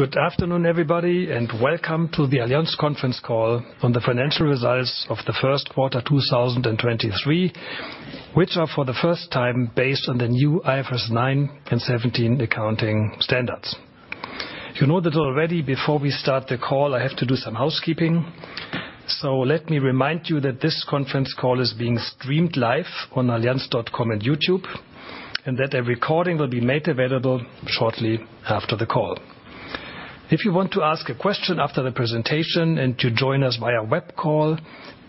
Good afternoon, everybody, and welcome to the Allianz conference call on the financial results of the Q1 2023, which are for the first time based on the new IFRS 9 and 17 accounting standards. You know that already before we start the call, I have to do some housekeeping. Let me remind you that this conference call is being streamed live on allianz.com and YouTube, and that a recording will be made available shortly after the call. If you want to ask a question after the presentation and to join us via web call,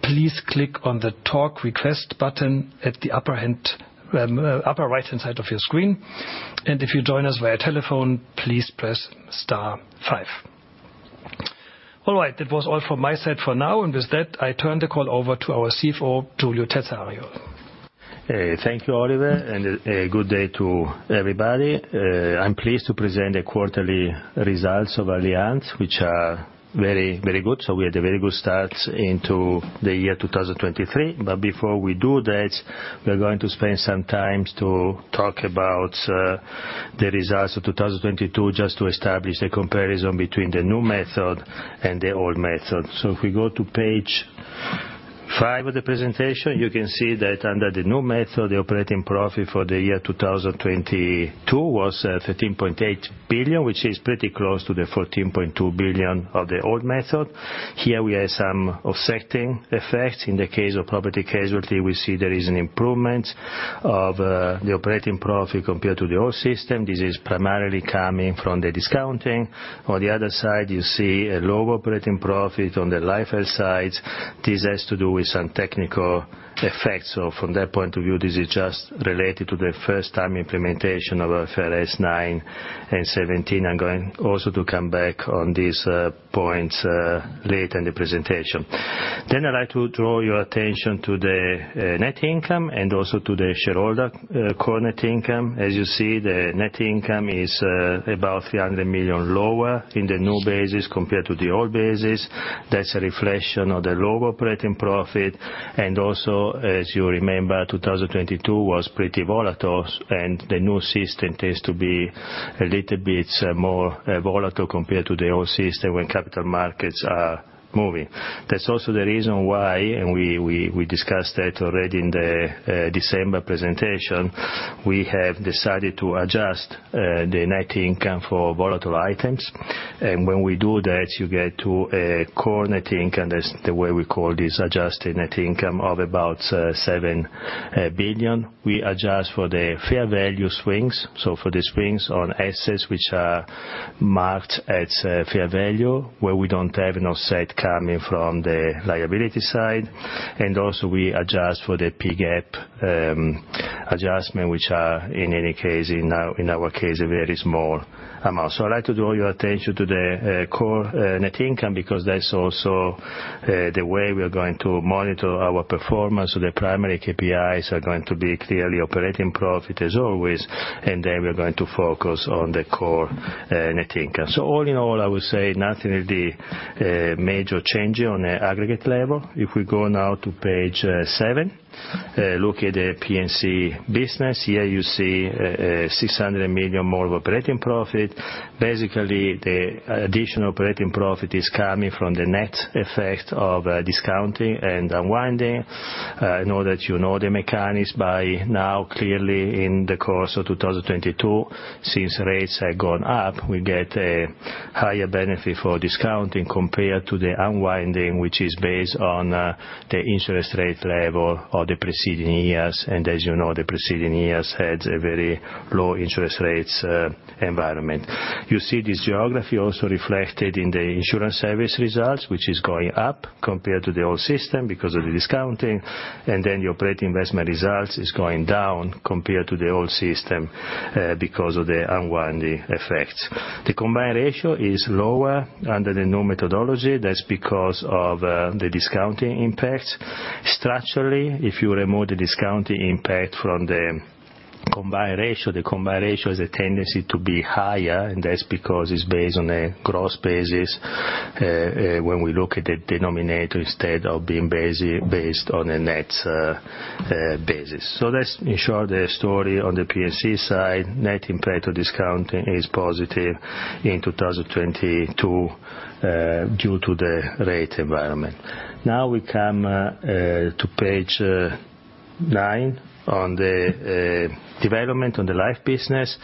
please click on the Talk Request button at the upper right-hand side of your screen. If you join us via telephone, please press star 5. All right, that was all from my side for now. With that, I turn the call over to our CFO, Giulio Terzariol. Hey, thank you, Oliver. A good day to everybody. I'm pleased to present the quarterly results of Allianz, which are very, very good. We had a very good start into the year 2023. Before we do that, we are going to spend some time to talk about the results of 2022 just to establish a comparison between the new method and the old method. If we go to page five of the presentation, you can see that under the new method, the operating profit for the year 2022 was 13.8 billion, which is pretty close to the 14.2 billion of the old method. Here we have some offsetting effects. In the case of property casualty, we see there is an improvement of the operating profit compared to the old system. This is primarily coming from the discounting. On the other side, you see a lower operating profit on the life side. This has to do with some technical effects. From that point of view, this is just related to the first time implementation of IFRS 9 and 17. I'm going also to come back on these points later in the presentation. I'd like to draw your attention to the net income and also to the Shareholders' core net income. As you see, the net income is about 300 million lower in the new basis compared to the old basis. That's a reflection of the lower operating profit. Also, as you remember, 2022 was pretty volatile, and the new system tends to be a little bit more volatile compared to the old system when capital markets are moving. That's also the reason why, we discussed that already in the December presentation. We have decided to adjust the net income for volatile items. When we do that, you get to a Core Net Income. That's the way we call this Adjusted Net Income of about 7 billion. Also we adjust for the fair value swings, so for the swings on assets which are marked at fair value, where we don't have an offset coming from the liability side. Also we adjust for the P&C adjustment, which are in any case, in our case, a very small amount. I'd like to draw your attention to the Core Net Income, because that's also the way we are going to monitor our performance. The primary KPIs are going to be clearly operating profit as always, and then we are going to focus on the core net income. All in all, I would say nothing is the major change on the aggregate level. If we go now to page seven, look at the P&C business. Here you see 600 million more of operating profit. Basically, the additional operating profit is coming from the net effect of discounting and unwinding. I know that you know the mechanics by now. Clearly, in the course of 2022, since rates have gone up, we get a higher benefit for discounting compared to the unwinding, which is based on the interest rate level of the preceding years. As you know, the preceding years had a very low interest rates environment. You see this geography also reflected in the insurance service results, which is going up compared to the old system because of the discounting. The operating investment results is going down compared to the old system because of the unwinding effects. The combined ratio is lower under the new methodology. That's because of the discounting impact. Structurally, if you remove the discounting impact from the combined ratio, the combined ratio has a tendency to be higher, and that's because it's based on a gross basis when we look at the denominator, instead of being based on a net basis. That's in short the story on the P&C side. Net impact of discounting is positive in 2022 due to the rate environment. Now we come to page nine on the development on the life business.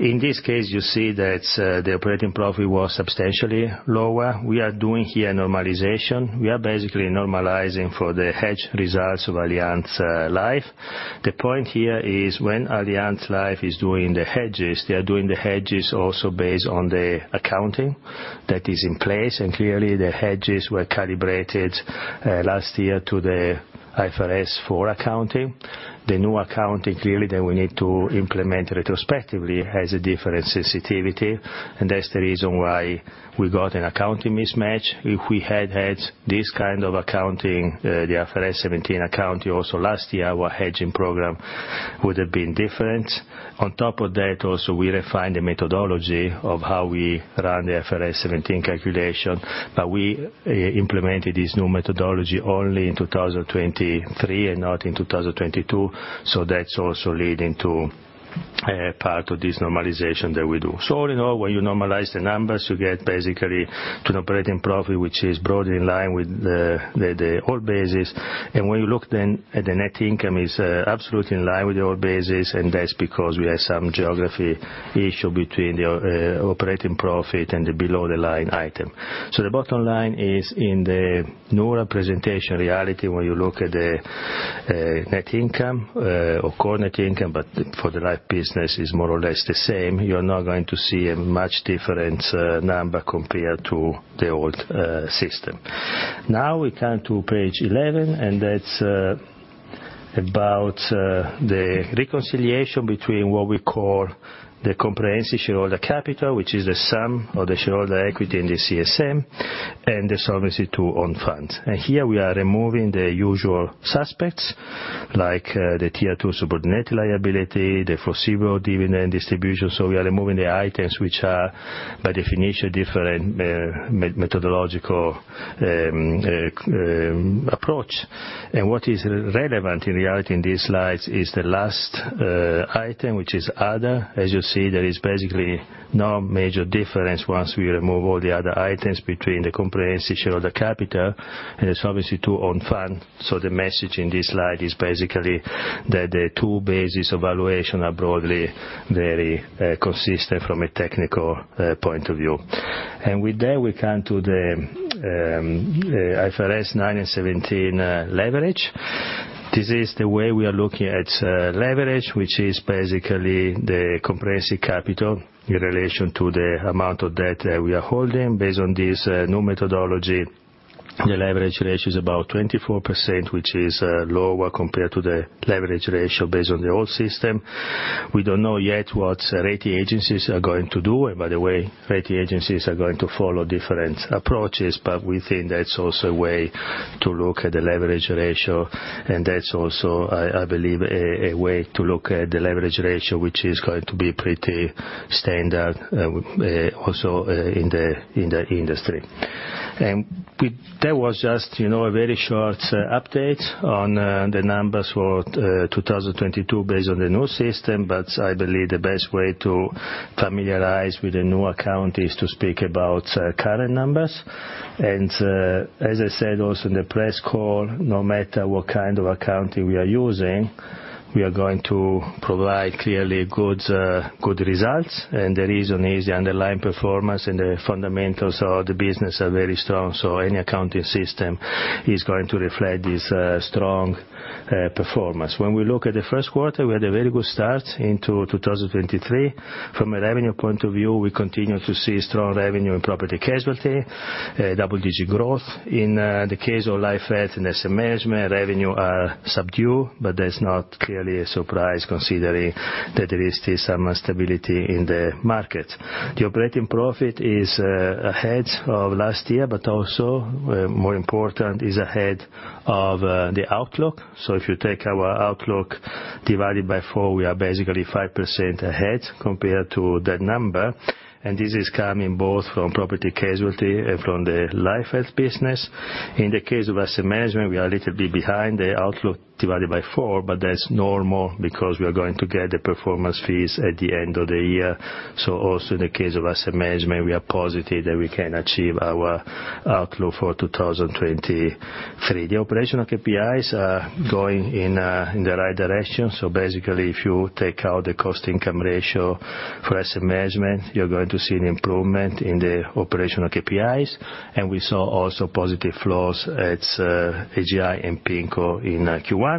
In this case, you see that the operating profit was substantially lower. We are doing here normalization. We are basically normalizing for the hedge results of Allianz Life. The point here is when Allianz Life is doing the hedges, they are doing the hedges also based on the accounting that is in place. Clearly, the hedges were calibrated last year to the IFRS 4 accounting. The new accounting, clearly, that we need to implement retrospectively has a different sensitivity, and that's the reason why we got an accounting mismatch. If we had had this kind of accounting, the IFRS 17 accounting also last year, our hedging program would have been different. On top of that also we refined the methodology of how we run the IFRS 17 calculation, but we implemented this new methodology only in 2023 and not in 2022. That's also leading to a part of this normalization that we do. All in all, when you normalize the numbers, you get basically to an operating profit, which is broadly in line with the old basis. When you look then at the net income is absolutely in line with the old basis, and that's because we have some geography issue between the operating profit and the below the line item. The bottom line is in the newer presentation reality when you look at the net income, or core net income, but for the life business is more or less the same. You're not going to see a much different number compared to the old system. We come to page 11, and that's about the reconciliation between what we call the comprehensive shareholder capital, which is the sum of the Shareholders' equity in the CSM and the Solvency II own funds. Here we are removing the usual suspects, like the Tier 2 subordinated debt, the foreseeable dividend distribution. We are removing the items which are by definition different methodological approach. What is relevant in reality in these slides is the last item which is other. As you see, there is basically no major difference once we remove all the other items between the comprehensive shareholder capital and its Solvency II own fund. The message in this slide is basically that the two basis of valuation are broadly very consistent from a technical point of view. With that, we come to the IFRS 9 and 17 leverage. This is the way we are looking at leverage, which is basically the comprehensive capital in relation to the amount of debt that we are holding. Based on this new methodology, the leverage ratio is about 24%, which is lower compared to the leverage ratio based on the old system. We don't know yet what rating agencies are going to do, and by the way, rating agencies are going to follow different approaches, but we think that's also a way to look at the leverage ratio. That's also, I believe, a way to look at the leverage ratio, which is going to be pretty standard also in the industry. That was just, you know, a very short update on the numbers for 2022 based on the new system, but I believe the best way to familiarize with the new account is to speak about current numbers. As I said, also in the press call, no matter what kind of accounting we are using, we are going to provide clearly good results. The reason is the underlying performance and the fundamentals of the business are very strong. Any accounting system is going to reflect this strong performance. When we look at the Q1, we had a very good start into 2023. From a revenue point of view, we continue to see strong revenue in property casualty, double-digit growth. In the case of Life Health and Asset Management, revenue are subdued, but that's not clearly a surprise considering that there is still some stability in the market. The operating profit is ahead of last year, but also, more important, is ahead of the outlook. If you take our outlook divided by 4, we are basically 5% ahead compared to that number. This is coming both from property casualty and from the Life Health business. In the case of asset management, we are a little bit behind the outlook divided by four, but that's normal because we are going to get the performance fees at the end of the year. Also in the case of asset management, we are positive that we can achieve our outlook for 2023. The operational KPIs are going in the right direction. Basically if you take out the cost-income ratio for asset management, you're going to see an improvement in the operational KPIs. We saw also positive flows at AGI and PIMCO in Q1.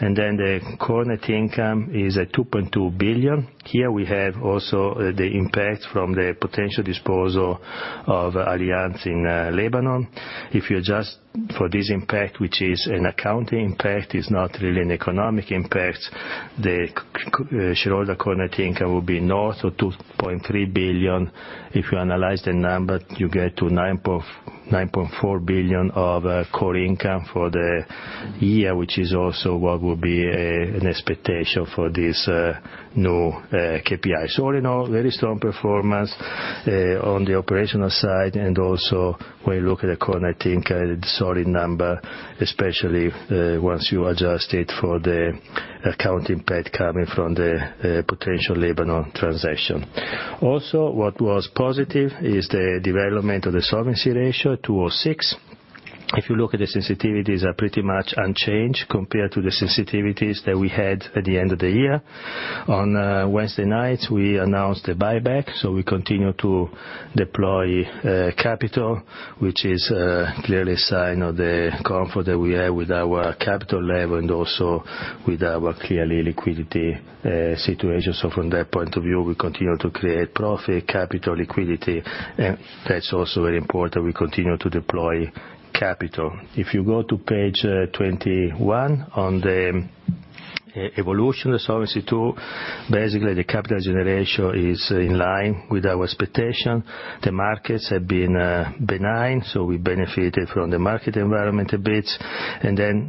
The Core Net Income is at 2.2 billion. Here we have also the impact from the potential disposal of Allianz in Lebanon. If you adjust for this impact, which is an accounting impact, it's not really an economic impact, the Shareholders' core net income will be north of 2.3 billion. If you analyze the number, you get to 9.4 billion of core income for the year, which is also what will be an expectation for this new KPI. All in all, very strong performance on the operational side. Also when you look at the core net income, a solid number, especially once you adjust it for the accounting impact coming from the potential Lebanon transaction. Also, what was positive is the development of the Solvency II ratio at 206%. If you look at the sensitivities are pretty much unchanged compared to the sensitivities that we had at the end of the year. On Wednesday night, we announced the buyback, we continue to deploy capital, which is clearly a sign of the comfort that we have with our capital level and also with our clearly liquidity situation. From that point of view, we continue to create profit, capital, liquidity, and that's also very important. We continue to deploy capital. If you go to page 21 on the evolution of the Solvency II, basically the capital generation is in line with our expectation. The markets have been benign, so we benefited from the market environment a bit.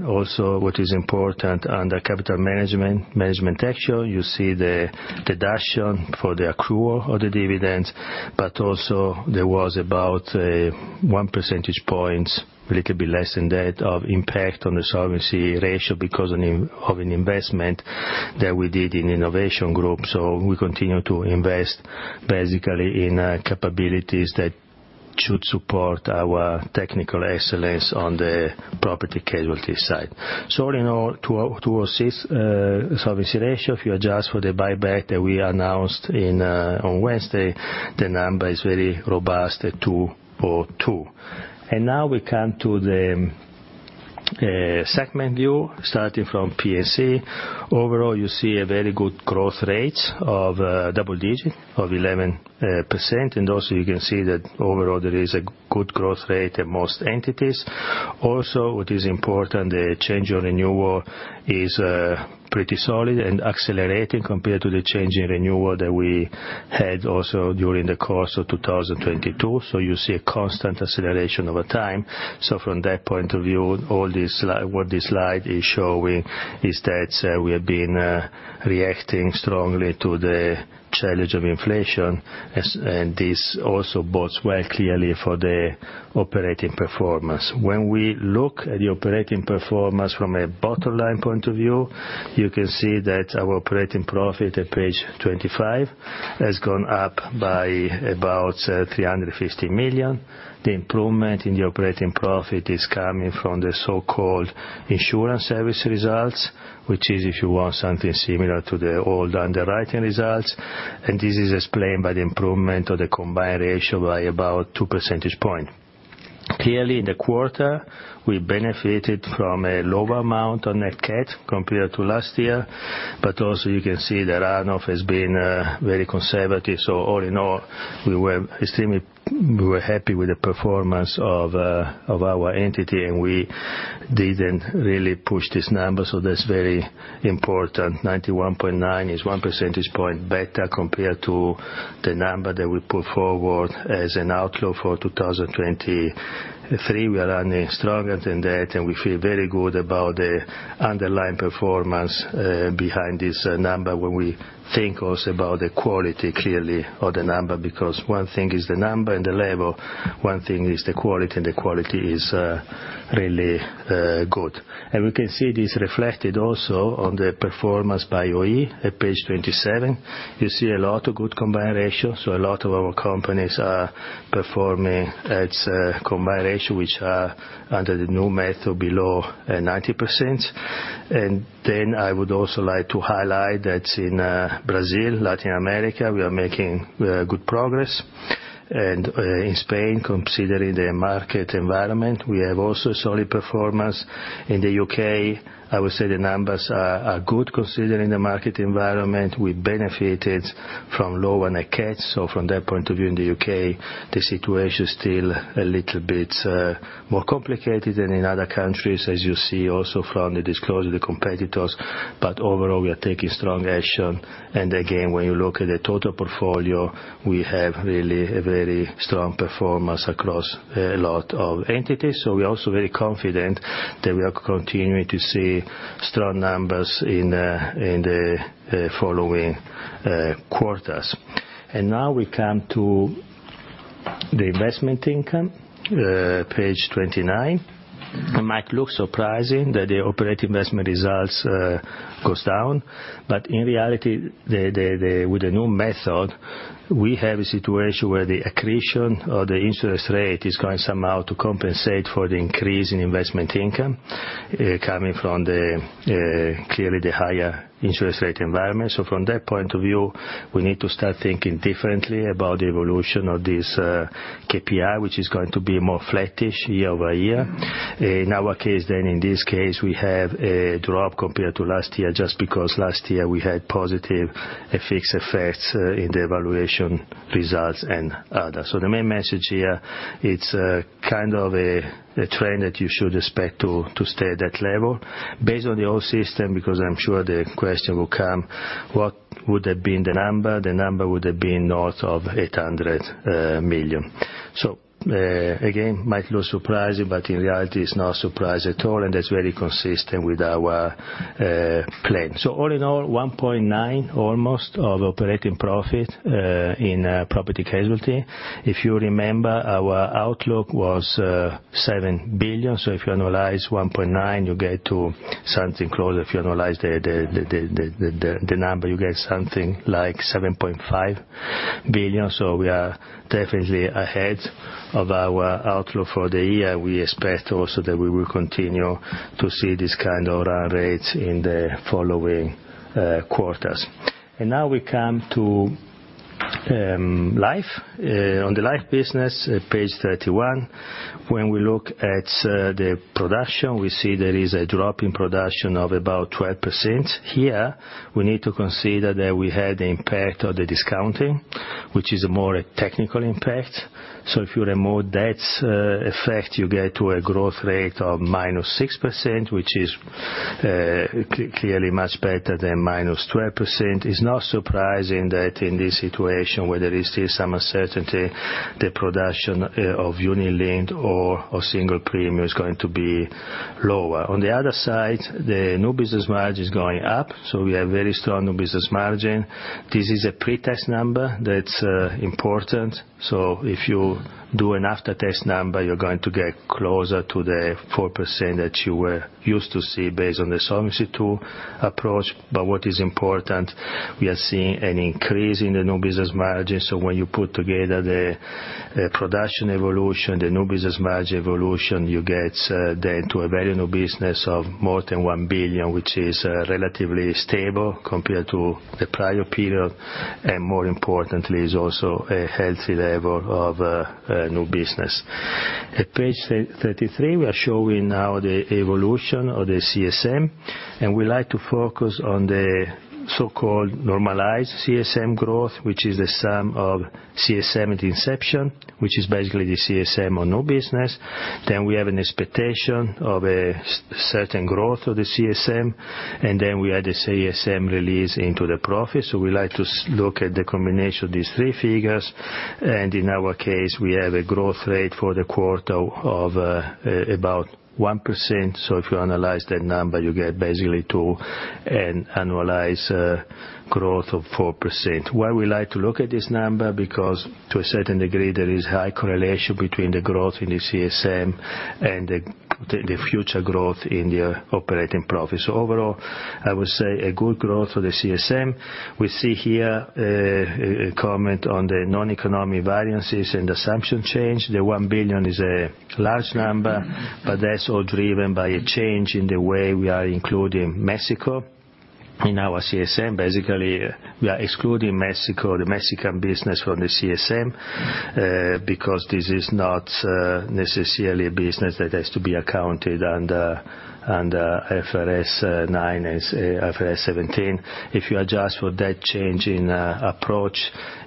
Also what is important under capital management action, you see the deduction for the accrual of the dividends, but also there was about 1 percentage points, a little bit less than that, of impact on the solvency ratio because of an investment that we did in Innovation Group. We continue to invest basically in capabilities that should support our technical excellence on the property casualty side. All in all, to assist solvency ratio, if you adjust for the buyback that we announced on Wednesday, the number is very robust at 2.2. Now we come to the segment view, starting from PSE. Overall you see a very good growth rate of double digit of 11%, and also you can see that overall there is a good growth rate at most entities. Also, what is important, the change on renewal is pretty solid and accelerating compared to the change in renewal that we had also during the course of 2022. You see a constant acceleration over time. From that point of view, what this slide is showing is that we have been reacting strongly to the challenge of inflation, and this also bodes well clearly for the operating performance. When we look at the operating performance from a bottom line point of view, you can see that our operating profit at page 25 has gone up by about 350 million. The improvement in the operating profit is coming from the so-called insurance service result, which is, if you want, something similar to the old underwriting results. This is explained by the improvement of the combined ratio by about 2 percentage points. Clearly, in the quarter, we benefited from a lower amount on net CAT compared to last year. Also you can see that run-off has been very conservative. All in all, we were happy with the performance of our entity, and we didn't really push this number. That's very important. 91.9 is 1 percentage point better compared to the number that we put forward as an outlook for 2023. We are running stronger than that, and we feel very good about the underlying performance behind this number when we think also about the quality clearly of the number, because one thing is the number and the level, one thing is the quality, and the quality is really good. We can see this reflected also on the performance by OE at page 27. You see a lot of good combined ratios, so a lot of our companies are performing at combined ratio, which are under the new method below 90%. I would also like to highlight that in Brazil, Latin America, we are making good progress. In Spain, considering the market environment, we have also solid performance. In the UK, I would say the numbers are good considering the market environment. We benefited from lower net CAT, from that point of view in the U.K., the situation is still a little bit more complicated than in other countries, as you see also from the disclosure of the competitors. Overall, we are taking strong action, and again, when you look at the total portfolio, we have really a very strong performance across a lot of entities. We are also very confident that we are continuing to see strong numbers in the following quarters. Now we come to the investment income, page 29. It might look surprising that the operating investment results goes down. In reality, with the new method, we have a situation where the accretion or the interest rate is going somehow to compensate for the increase in investment income, coming from the clearly the higher interest rate environment. From that point of view, we need to start thinking differently about the evolution of this KPI, which is going to be more flattish year-over-year. In our case then, in this case, we have a drop compared to last year just because last year we had positive FX effects in the evaluation results and others. The main message here, it's kind of a trend that you should expect to stay at that level based on the old system, because I'm sure the question will come, what would have been the number? The number would have been north of 800 million. Again, might look surprising, but in reality it's not surprising at all, and that's very consistent with our plan. All in all, 1.9 almost of operating profit in property casualty. If you remember, our outlook was 7 billion. If you annualize 1.9, you get to something close. If you annualize the number, you get something like 7.5 billion. We are definitely ahead of our outlook for the year. We expect also that we will continue to see this kind of run rates in the following quarters. Now we come to life. On the life business at page 31, when we look at the production, we see there is a drop in production of about 12%. Here, we need to consider that we had the impact of the discounting, which is more a technical impact. If you remove that effect, you get to a growth rate of -6%, which is clearly much better than -12%. It's not surprising that in this situation where there is still some uncertainty, the production of uni linked or of single premium is going to be lower. On the other side, the New Business Margin is going up. We have very strong New Business Margin. This is a pretest number that's important. If you do an after test number, you're going to get closer to the 4% that you were used to see based on the Solvency II approach. What is important, we are seeing an increase in the New Business Margin. When you put together the production evolution, the New Business Margin evolution, you get then to a Value New Business of more than 1 billion, which is relatively stable compared to the prior period, and more importantly, is also a healthy level of new business. At page 33, we are showing now the evolution of the CSM, and we like to focus on the so-called normalized CSM growth, which is the sum of CSM at inception, which is basically the CSM on new business. We have an expectation of a certain growth of the CSM, and then we have the CSM release into the profit. We like to look at the combination of these three figures. In our case, we have a growth rate for the quarter of about 1%. If you analyze that number, you get basically two, an annualized growth of 4%. Why we like to look at this number? Because to a certain degree, there is high correlation between the growth in the CSM and the future growth in the operating profits. Overall, I would say a good growth for the CSM. We see here a comment on the noneconomic variances and assumption change. The 1 billion is a large number. That's all driven by a change in the way we are including Mexico in our CSM. Basically, we are excluding Mexico, the Mexican business from the CSM, because this is not necessarily a business that has to be accounted under IFRS 9 and IFRS 17. If you adjust for that change in approach,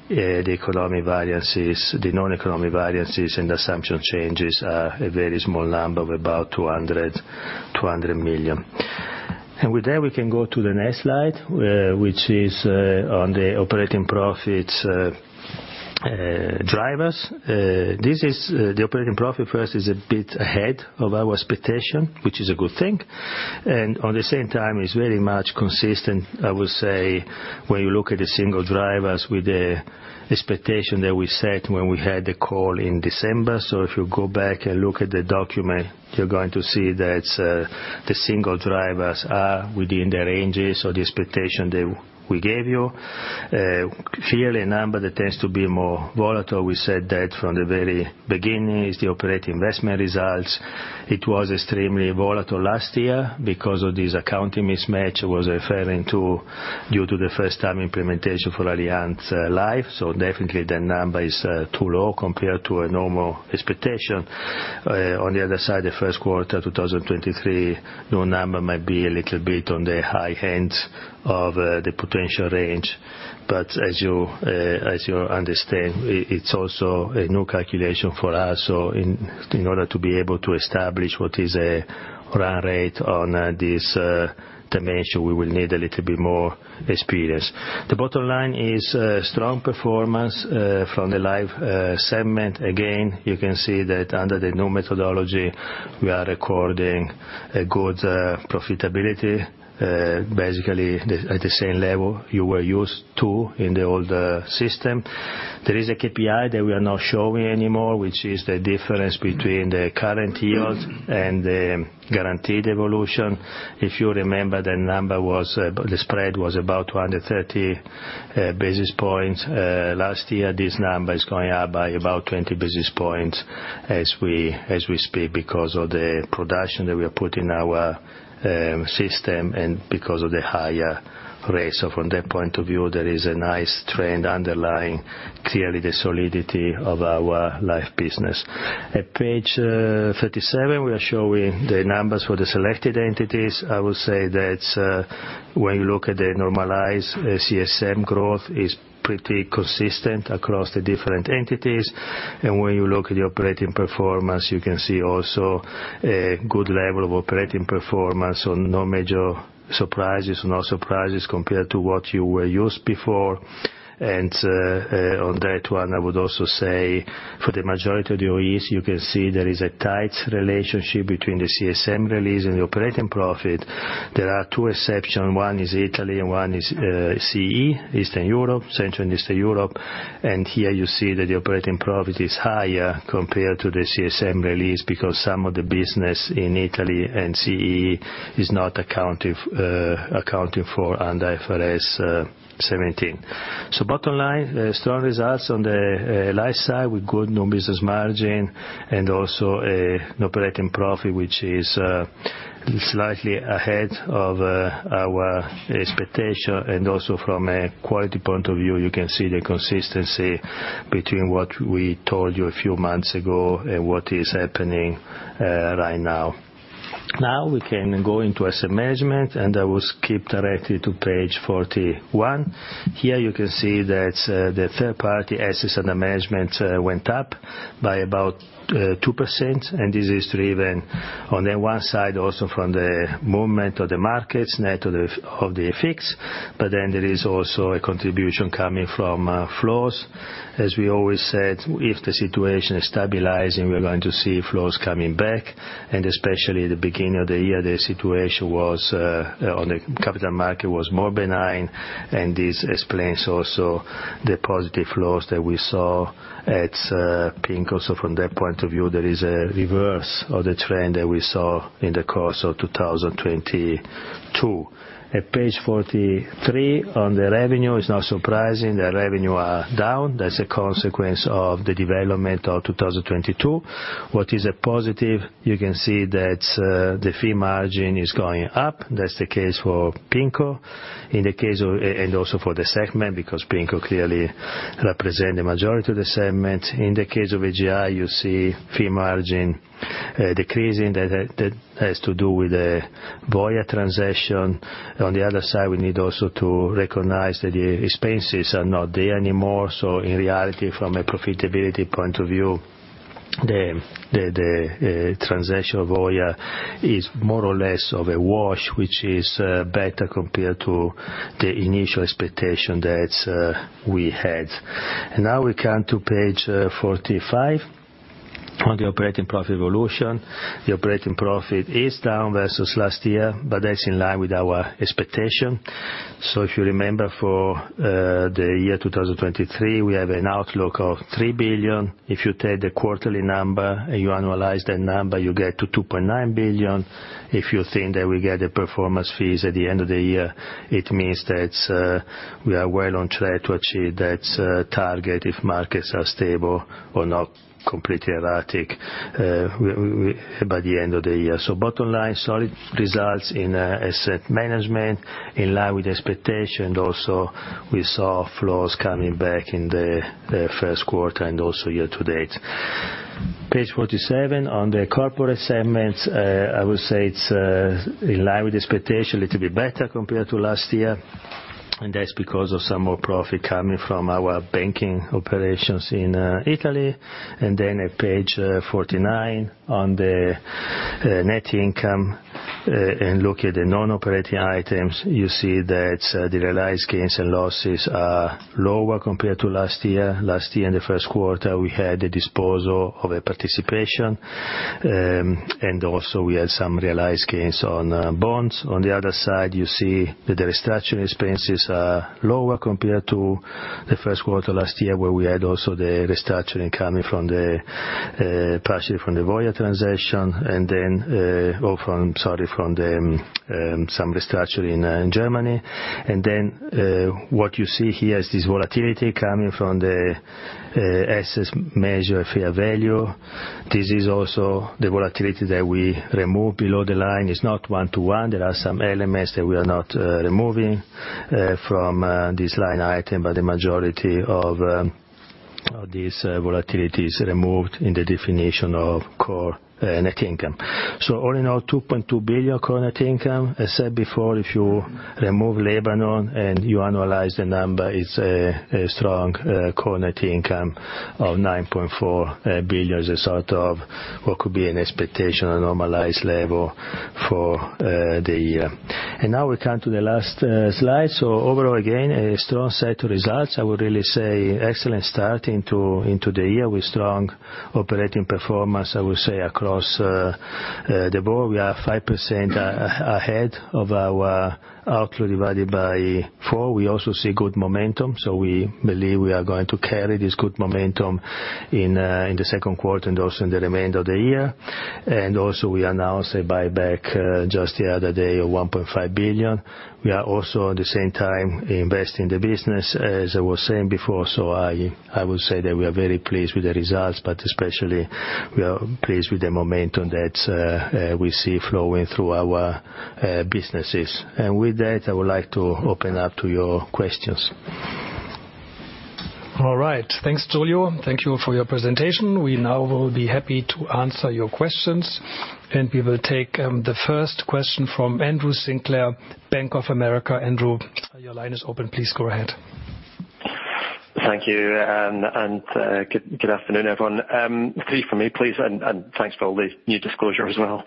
the economic variances, the noneconomic variances and assumption changes are a very small number of about 200 million. With that, we can go to the next slide, which is on the operating profits drivers. This is, the operating profit for us is a bit ahead of our expectation, which is a good thing. On the same time, it's very much consistent, I would say, when you look at the single drivers with the expectation that we set when we had the call in December. If you go back and look at the document, you're going to see that the single drivers are within the ranges or the expectation that we gave you. Clearly a number that tends to be more volatile, we said that from the very beginning, is the operating investment results. It was extremely volatile last year because of this accounting mismatch I was referring to due to the first time implementation for Allianz Life. Definitely that number is too low compared to a normal expectation. On the other side, the Q1 2023 new number might be a little bit on the high end of the potential range. As you, as you understand, it's also a new calculation for us. In, in order to be able to establish what is a run rate on, this, dimension, we will need a little bit more experience. The bottom line is, strong performance, from the Life segment. Again, you can see that under the new methodology, we are recording a good profitability, basically the, at the same level you were used to in the older system. There is a KPI that we are not showing anymore, which is the difference between the current yield and the guaranteed evolution. If you remember, the number was, the spread was about 230 basis points. Last year, this number is going up by about 20 basis points as we speak because of the production that we have put in our system and because of the higher rates. From that point of view, there is a nice trend underlying clearly the solidity of our Life business. At page 37, we are showing the numbers for the selected entities. I would say that when you look at the normalized CSM growth, it's pretty consistent across the different entities. When you look at the operating performance, you can see also a good level of operating performance. No major surprises, no surprises compared to what you were used before. On that one, I would also say for the majority of the OEs, you can see there is a tight relationship between the CSM release and the operating profit. There are two exceptions. One is Italy and one is CE, Eastern Europe, Central and Eastern Europe. Here you see that the operating profit is higher compared to the CSM release because some of the business in Italy and CE is not accounting for under IFRS 17. Bottom line, strong results on the Life side with good New Business Margin and also a new operating profit, which is slightly ahead of our expectation. Also from a quality point of view, you can see the consistency between what we told you a few months ago and what is happening right now. We can go into asset management, and I will skip directly to page 41. Here you can see that, the third party assets under management went up by about 2%, and this is driven on the one side, also from the movement of the markets net of the effects. There is also a contribution coming from flows. As we always said, if the situation is stabilizing, we are going to see flows coming back and especially the beginning of the year, the situation was on the capital market was more benign. This explains also the positive flows that we saw at PIMCO. Also from that point of view, there is a reverse of the trend that we saw in the course of 2022. At page 43 on the revenue, it's not surprising the revenue are down. That's a consequence of the development of 2022. What is a positive, you can see that the fee margin is going up. That's the case for PIMCO. In the case of and also for the segment, because PIMCO clearly represent the majority of the segment. In the case of AGI, you see fee margin decreasing. That has to do with the Voya transaction. On the other side, we need also to recognize that the expenses are not there anymore. in reality, from a profitability point of view, the transaction of Voya is more or less of a wash, which is better compared to the initial expectation that we had. Now we come to page 45. On the operating profit evolution. The operating profit is down versus last year, that's in line with our expectation. If you remember for the year 2023, we have an outlook of 3 billion. If you take the quarterly number and you annualize that number, you get to 2.9 billion. If you think that we get the performance fees at the end of the year, it means that we are well on track to achieve that target if markets are stable or not completely erratic by the end of the year. Bottom line, solid results in asset management in line with expectation, and also we saw flows coming back in the Q1 and also year to date. Page 47. On the Corporate Segments, I would say it's in line with expectation, a little bit better compared to last year, and that's because of some more profit coming from our banking operations in Italy. Then at page 49 on the net income, and look at the non-operating items, you see that the realized gains and losses are lower compared to last year. Last year, in the Q1, we had a disposal of a participation, and also we had some realized gains on bonds. On the other side, you see that the restructuring expenses are lower compared to the Q1 last year, where we had also the restructuring coming partially from the Voya transaction, and then from the some restructuring in Germany. What you see here is this volatility coming from the assets measure fair value. This is also the volatility that we remove below the line. It's not one to one. There are some elements that we are not removing from this line item. The majority of these volatility is removed in the definition of core net income. All in all, 2.2 billion core net income. I said before, if you remove Lebanon and you annualize the number, it's a strong core net income of 9.4 billion as a sort of what could be an expectation, a normalized level for the year. Now we come to the last slide. Overall, again, a strong set of results. I would really say excellent start into the year with strong operating performance, I would say across the board. We are 5% ahead of our output divided by four. We also see good momentum, so we believe we are going to carry this good momentum in the Q2 and also in the remainder of the year. Also we announced a buyback just the other day of 1.5 billion. We are also, at the same time, investing in the business, as I was saying before. I would say that we are very pleased with the results, but especially we are pleased with the momentum that we see flowing through our businesses. With that, I would like to open up to your questions. All right. Thanks, Giulio. Thank you for your presentation. We now will be happy to answer your questions. We will take the first question from Andrew Sinclair, Bank of America. Andrew, your line is open. Please go ahead. Thank you, good afternoon, everyone. Three for me, please. Thanks for all the new disclosure as well.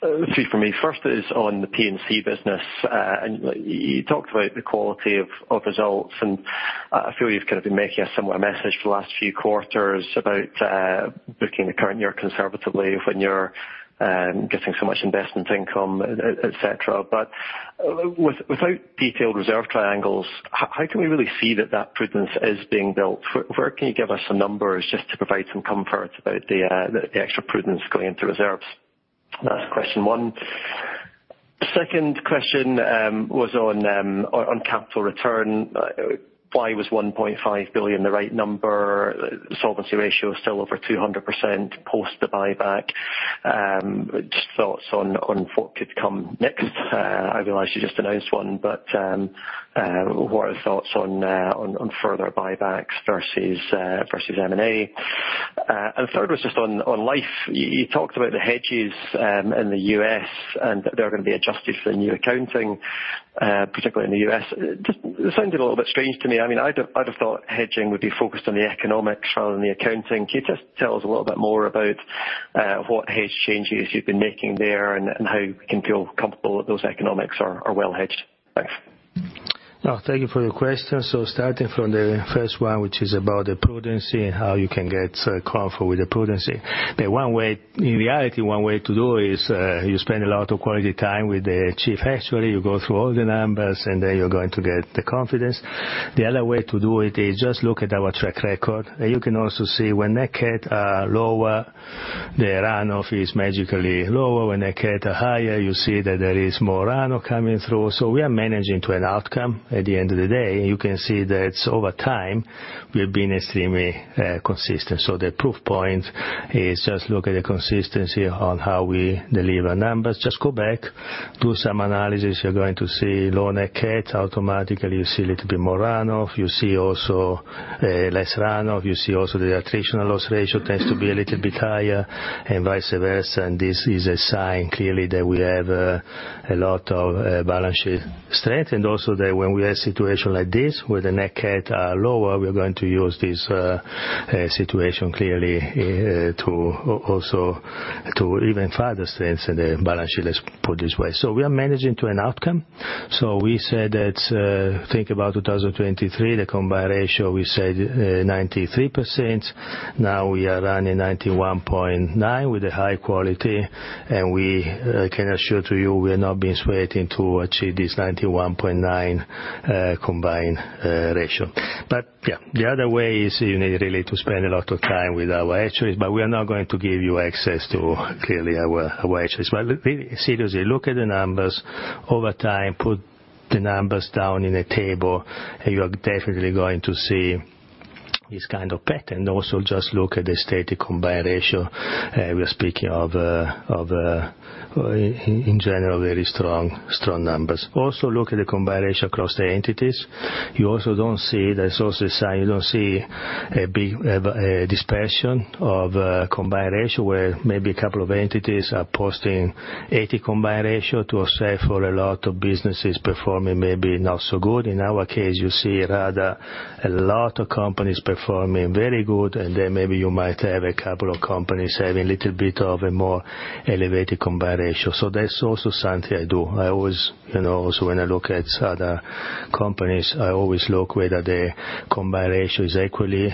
Three for me. First is on the P&C business. You talked about the quality of results, and I feel you've kind of been making a similar message for the last few quarters about booking the current year conservatively when you're getting so much investment income et cetera. Without detailed reserve triangles, how can we really see that that prudence is being built? Where can you give us some numbers just to provide some comfort about the extra prudence going into reserves? That's question one. Second question was on capital return. Why was 1.5 billion the right number? Solvency ratio is still over 200% post the buyback. Just thoughts on what could come next. I realize you just announced one, but what are the thoughts on further buybacks versus M&A? Third was just on life. You talked about the hedges in the U.S., that they're going to be adjusted for the new accounting, particularly in the U.S. Just it sounded a little bit strange to me. I mean, I'd have thought hedging would be focused on the economics rather than the accounting. Can you just tell us a little bit more about what hedge changes you've been making there and how we can feel comfortable that those economics are well hedged? Thanks. Thank you for the question. Starting from the first one, which is about the prudency and how you can get comfortable with the prudency. In reality, one way to do is you spend a lot of quality time with the chief actuary. You go through all the numbers, you're going to get the confidence. The other way to do it is just look at our track record. You can also see when net CAT are lower, the runoff is magically lower. When net CAT are higher, you see that there is more runoff coming through. We are managing to an outcome. At the end of the day, you can see that over time we've been extremely consistent. The proof point is just look at the consistency on how we deliver numbers. Just go back, do some analysis. You're going to see lower net CAT. Automatically, you see a little bit more runoff. You see also less runoff. You see also the attritional loss ratio tends to be a little bit higher and vice versa. This is a sign clearly that we have a lot of balance sheet strength. Also that when we are in situation like this, where the net CAT are lower, we are going to use this situation clearly to also to even further strengthen the balance sheet, let's put it this way. We are managing to an outcome. We said that, think about 2023, the combined ratio, we said, 93%. Now we are running 91.9 with a high quality, and we, can assure to you we're not being sweating to achieve this 91.9 combined ratio. Yeah, the other way is you need really to spend a lot of time with our actuaries, but we are not going to give you access to clearly our actuaries. Really, seriously, look at the numbers over time. Put the numbers down in a table, and you are definitely going to see this kind of pattern. Just look at the stated combined ratio. We're speaking of, in general, very strong numbers. Look at the combined ratio across the entities. You also don't see... That's also a sign you don't see a big dispersion of combined ratio, where maybe a couple of entities are posting 80 combined ratio to offset for a lot of businesses performing maybe not so good. In our case, you see rather a lot of companies performing very good, and then maybe you might have a couple of companies having a little bit of a more elevated combined ratio. That's also something I do. I always, you know, when I look at other companies, I always look whether the combined ratio is equally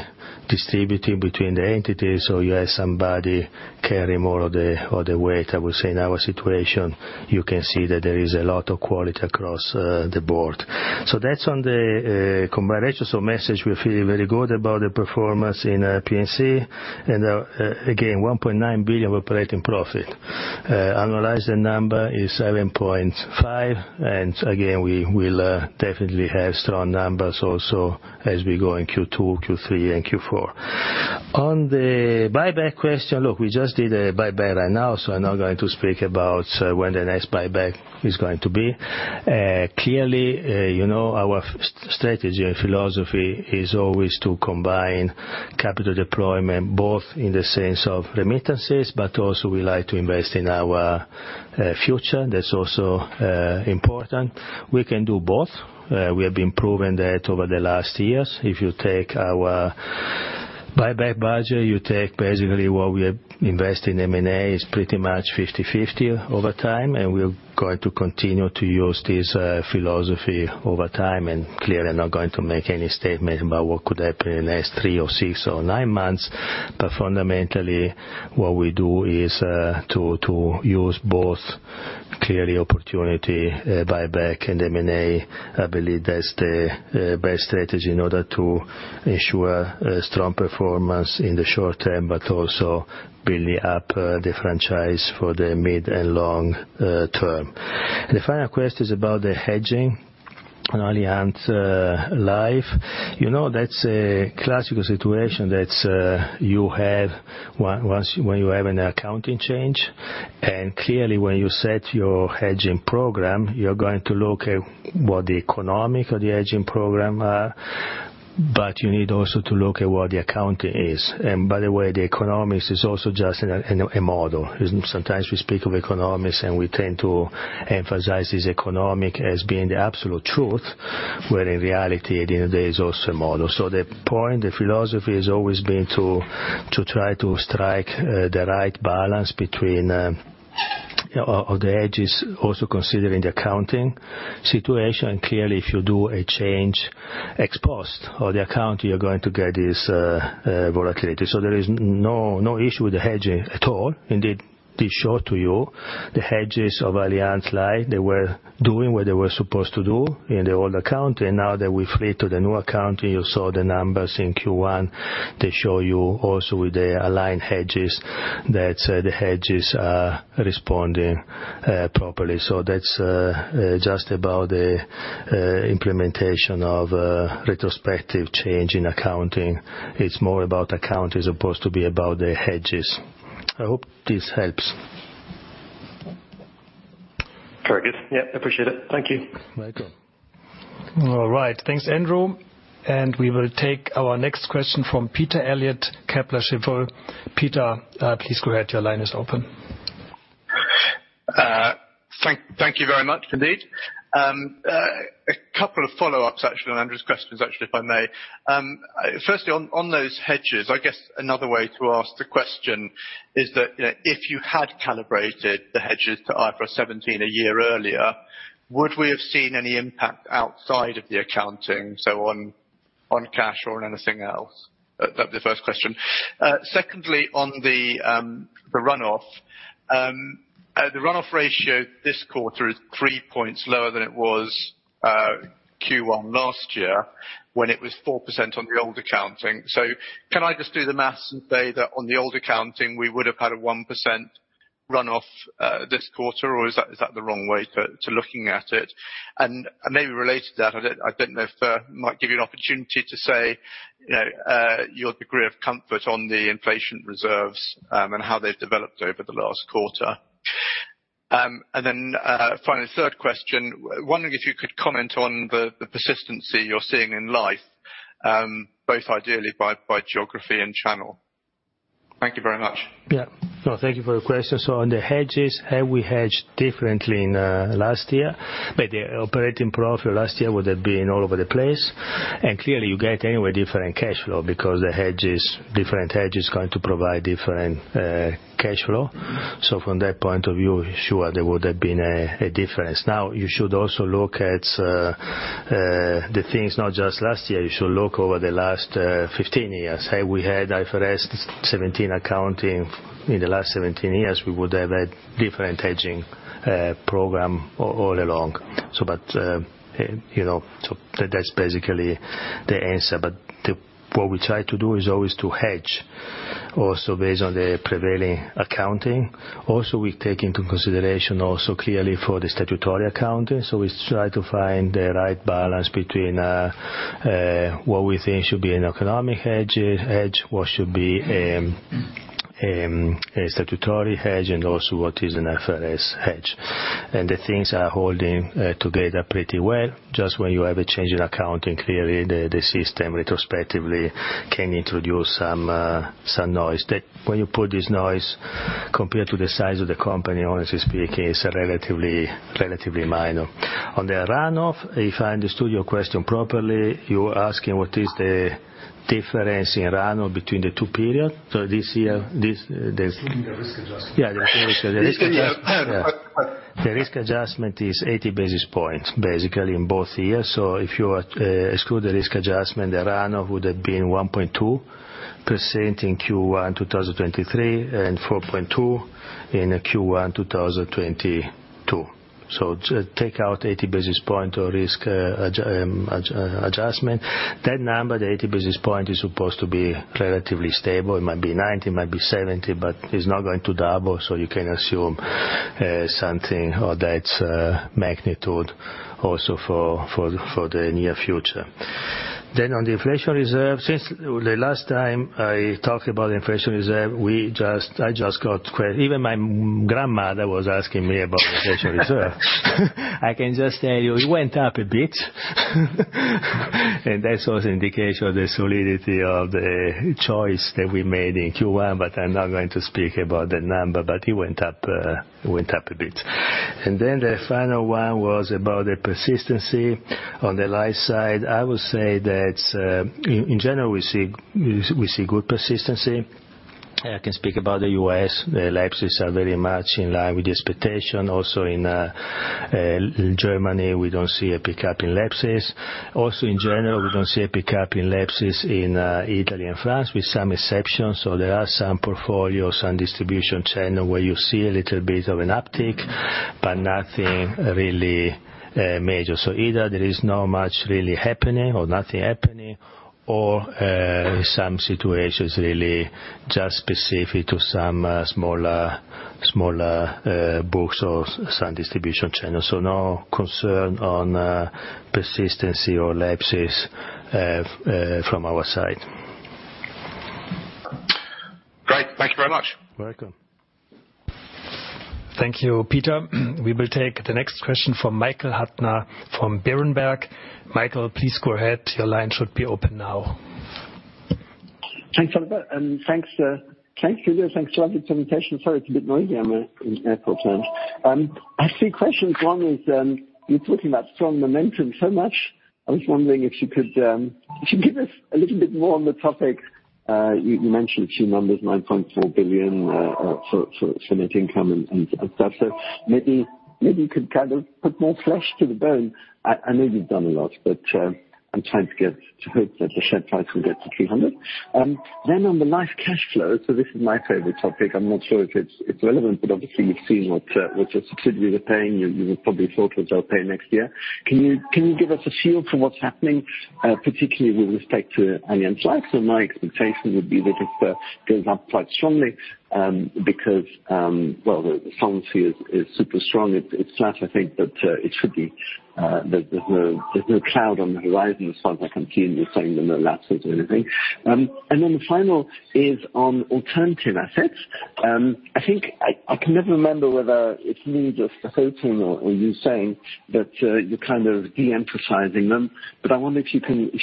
distributed between the entities, or you have somebody carrying more of the weight. I would say in our situation, you can see that there is a lot of quality across the board. That's on the combined ratio. Message, we're feeling very good about the performance in P&C, and again, 1.9 billion of operating profit. Annualized number is 7.5 billion, and again, we will definitely have strong numbers also as we go in Q2, Q3, and Q4. On the buyback question, look, we just did a buyback right now, so I'm not going to speak about when the next buyback is going to be. Clearly, you know our strategy and philosophy is always to combine capital deployment, both in the sense of remittances, but also we like to invest in our future. That's also important. We can do both. We have been proving that over the last years. If you take our buyback budget, you take basically what we have invested in M&A. It's pretty much 50/50 over time. We're going to continue to use this philosophy over time. Clearly I'm not going to make any statement about what could happen in the next three or six or nine months. Fundamentally, what we do is to use both clearly opportunity, buyback and M&A. I believe that's the best strategy in order to ensure a strong performance in the short term but also building up the franchise for the mid and long term. The final question is about the hedging on Allianz Life. You know, that's a classical situation that you have once, when you have an accounting change. Clearly, when you set your hedging program, you're going to look at what the economic of the hedging program are, but you need also to look at what the accounting is. By the way, the economics is also just a model. Sometimes we speak of economics, and we tend to emphasize this economic as being the absolute truth, where in reality, at the end of the day, it's also a model. The point, the philosophy has always been to try to strike the right balance between of the hedges, also considering the accounting situation. Clearly, if you do a change ex post or the account, you're going to get this volatility. There is no issue with the hedging at all. Indeed, this show to you the hedges of Allianz Life, they were doing what they were supposed to do in the old account. Now that we flip to the new account, and you saw the numbers in Q1, they show you also with the aligned hedges that the hedges are responding properly. That's just about the implementation of a retrospective change in accounting. It's more about accounting as opposed to be about the hedges. I hope this helps. Very good. Yeah, appreciate it. Thank you. Welcome. All right, thanks Andrew. We will take our next question from Peter Eliot, Kepler Cheuvreux. Peter, please go ahead. Your line is open. Thank you very much indeed. A couple of follow-ups actually on Andrew's questions, actually, if I may. Firstly on those hedges, I guess another way to ask the question is that, you know, if you had calibrated the hedges to IFRS 17 a year earlier, would we have seen any impact outside of the accounting, so on cash or on anything else? That's the first question. Secondly, on the runoff. The runoff ratio this quarter is three points lower than it was Q1 last year when it was 4% on the old accounting. Can I just do the math and say that on the old accounting, we would have had a 1% runoff this quarter? Is that the wrong way to looking at it? Maybe related to that, I don't know if might give you an opportunity to say, you know, your degree of comfort on the inflation reserves, and how they've developed over the last quarter. Finally, third question. Wondering if you could comment on the persistency you're seeing in life, both ideally by geography and channel. Thank you very much. Yeah. No, thank you for your question. On the hedges, had we hedged differently in last year, the operating profit last year would have been all over the place. Clearly you get anyway different cash flow because the hedges, different hedges going to provide different cash flow. From that point of view, sure, there would have been a difference. You should also look at the things not just last year, you should look over the last 15 years. Had we had IFRS 17 accounting in the last 17 years, we would have had different hedging program all along. you know, that's basically the answer. What we try to do is always to hedge also based on the prevailing accounting. We take into consideration also clearly for the statutory accounting. We try to find the right balance between what we think should be an economic hedge, what should be a statutory hedge, and also what is an IFRS hedge. The things are holding together pretty well. When you have a change in accounting, clearly the system retrospectively can introduce some noise. When you put this noise compared to the size of the company, honestly speaking, it's relatively minor. On the runoff, if I understood your question properly, you're asking what is the difference in runoff between the two periods. This year, this. Including the risk adjustment. Yeah, including the risk adjustment. The risk adjustment is 80 basis points basically in both years. If you exclude the risk adjustment, the runoff would have been 1.2% in Q1, 2023, and 4.2% in Q1, 2022. Take out 80 basis point or risk adjustment. That number, the 80 basis point is supposed to be relatively stable. It might be 90, it might be 70, but it's not going to double. You can assume something or that's magnitude also for the near future. On the inflation reserve, since the last time I talked about inflation reserve, I just got even my grandmother was asking me about inflation reserve. I can just tell you it went up a bit. That was indication of the solidity of the choice that we made in Q1, but I'm not going to speak about the number, but it went up a bit. The final one was about the persistency on the life side. I would say that, in general, we see good persistency. I can speak about the U.S., lapses are very much in line with the expectation. Also in Germany, we don't see a pickup in lapses. Also in general, we don't see a pickup in lapses in Italy and France, with some exceptions. There are some portfolios and distribution channel where you see a little bit of an uptick, but nothing really major. Either there is not much really happening or nothing happening or some situations really just specific to some smaller books or some distribution channels. No concern on persistency or lapses from our side. Great. Thank you very much. Welcome. Thank you, Peter. We will take the next question from Michael Huttner from Berenberg. Michael, please go ahead. Your line should be open now. Thanks, Oliver. Thanks, Giulio. Thanks a lot for the invitation. Sorry, it's a bit noisy on the airport terms. I have 3 questions. One is, you're talking about strong momentum so much. I was wondering if you could give us a little bit more on the topic, you mentioned a few numbers, 9.4 billion for net income and stuff. Maybe you could kind of put more flesh to the bone. I know you've done a lot, but I'm trying to get to hope that the share price will get to 300. On the life cash flow, this is my favorite topic. I'm not sure if it's relevant, obviously you've seen what subsidy we're paying, you would probably thought what they'll pay next year. Can you give us a feel for what's happening, particularly with respect to Allianz Life? My expectation would be that it goes up quite strongly, because, well, the solvency is super strong. It's flat I think, but it should be. There's no cloud on the horizon as far as I can see, and you're saying there are no lapses or anything. The final is on alternative assets. I think I can never remember whether it's me just forgetting or you saying that you're kind of de-emphasizing them. I wonder if you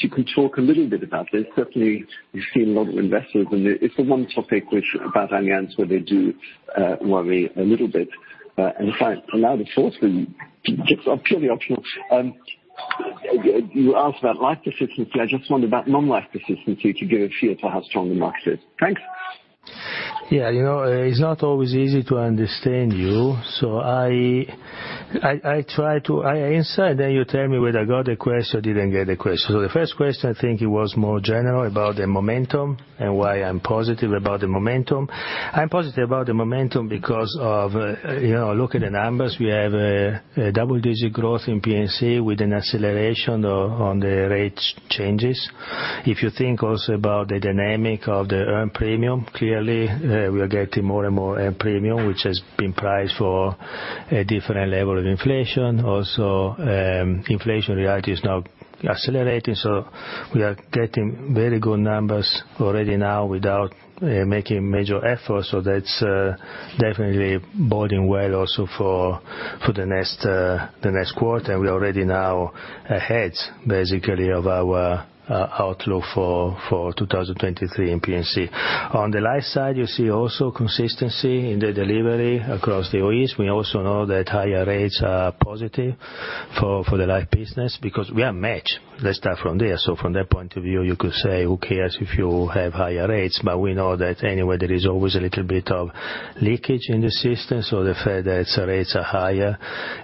can talk a little bit about this. Certainly, we've seen a lot of investors, and it's the one topic which about Allianz, where they do worry a little bit. In fact, allow me to talk to you. Just purely optional. You asked about life consistency. I jus t wondered about non-life consistency to give a feel for how strong the market is. Thanks. Yeah. You know, it's not always easy to understand you. I try to insight, then you tell me whether I got the question or didn't get the question. The first question, I think it was more general about the momentum and why I'm positive about the momentum. I'm positive about the momentum because of, you know, look at the numbers. We have a double-digit growth in P&C with an acceleration of, on the rate changes. If you think also about the dynamic of the earned premium, clearly, we are getting more and more earned premium, which has been priced for a different level of inflation. Also, inflation reality is now accelerating. We are getting very good numbers already now without making major efforts. That's definitely boding well also for the next quarter. We're already now ahead basically of our outlook for 2023 in P&C. On the life side, you see also consistency in the delivery across the OEs. We also know that higher rates are positive for the life business because we are matched. Let's start from there. From that point of view, you could say, "Who cares if you have higher rates?" We know that anyway, there is always a little bit of leakage in the system, so the fact that rates are higher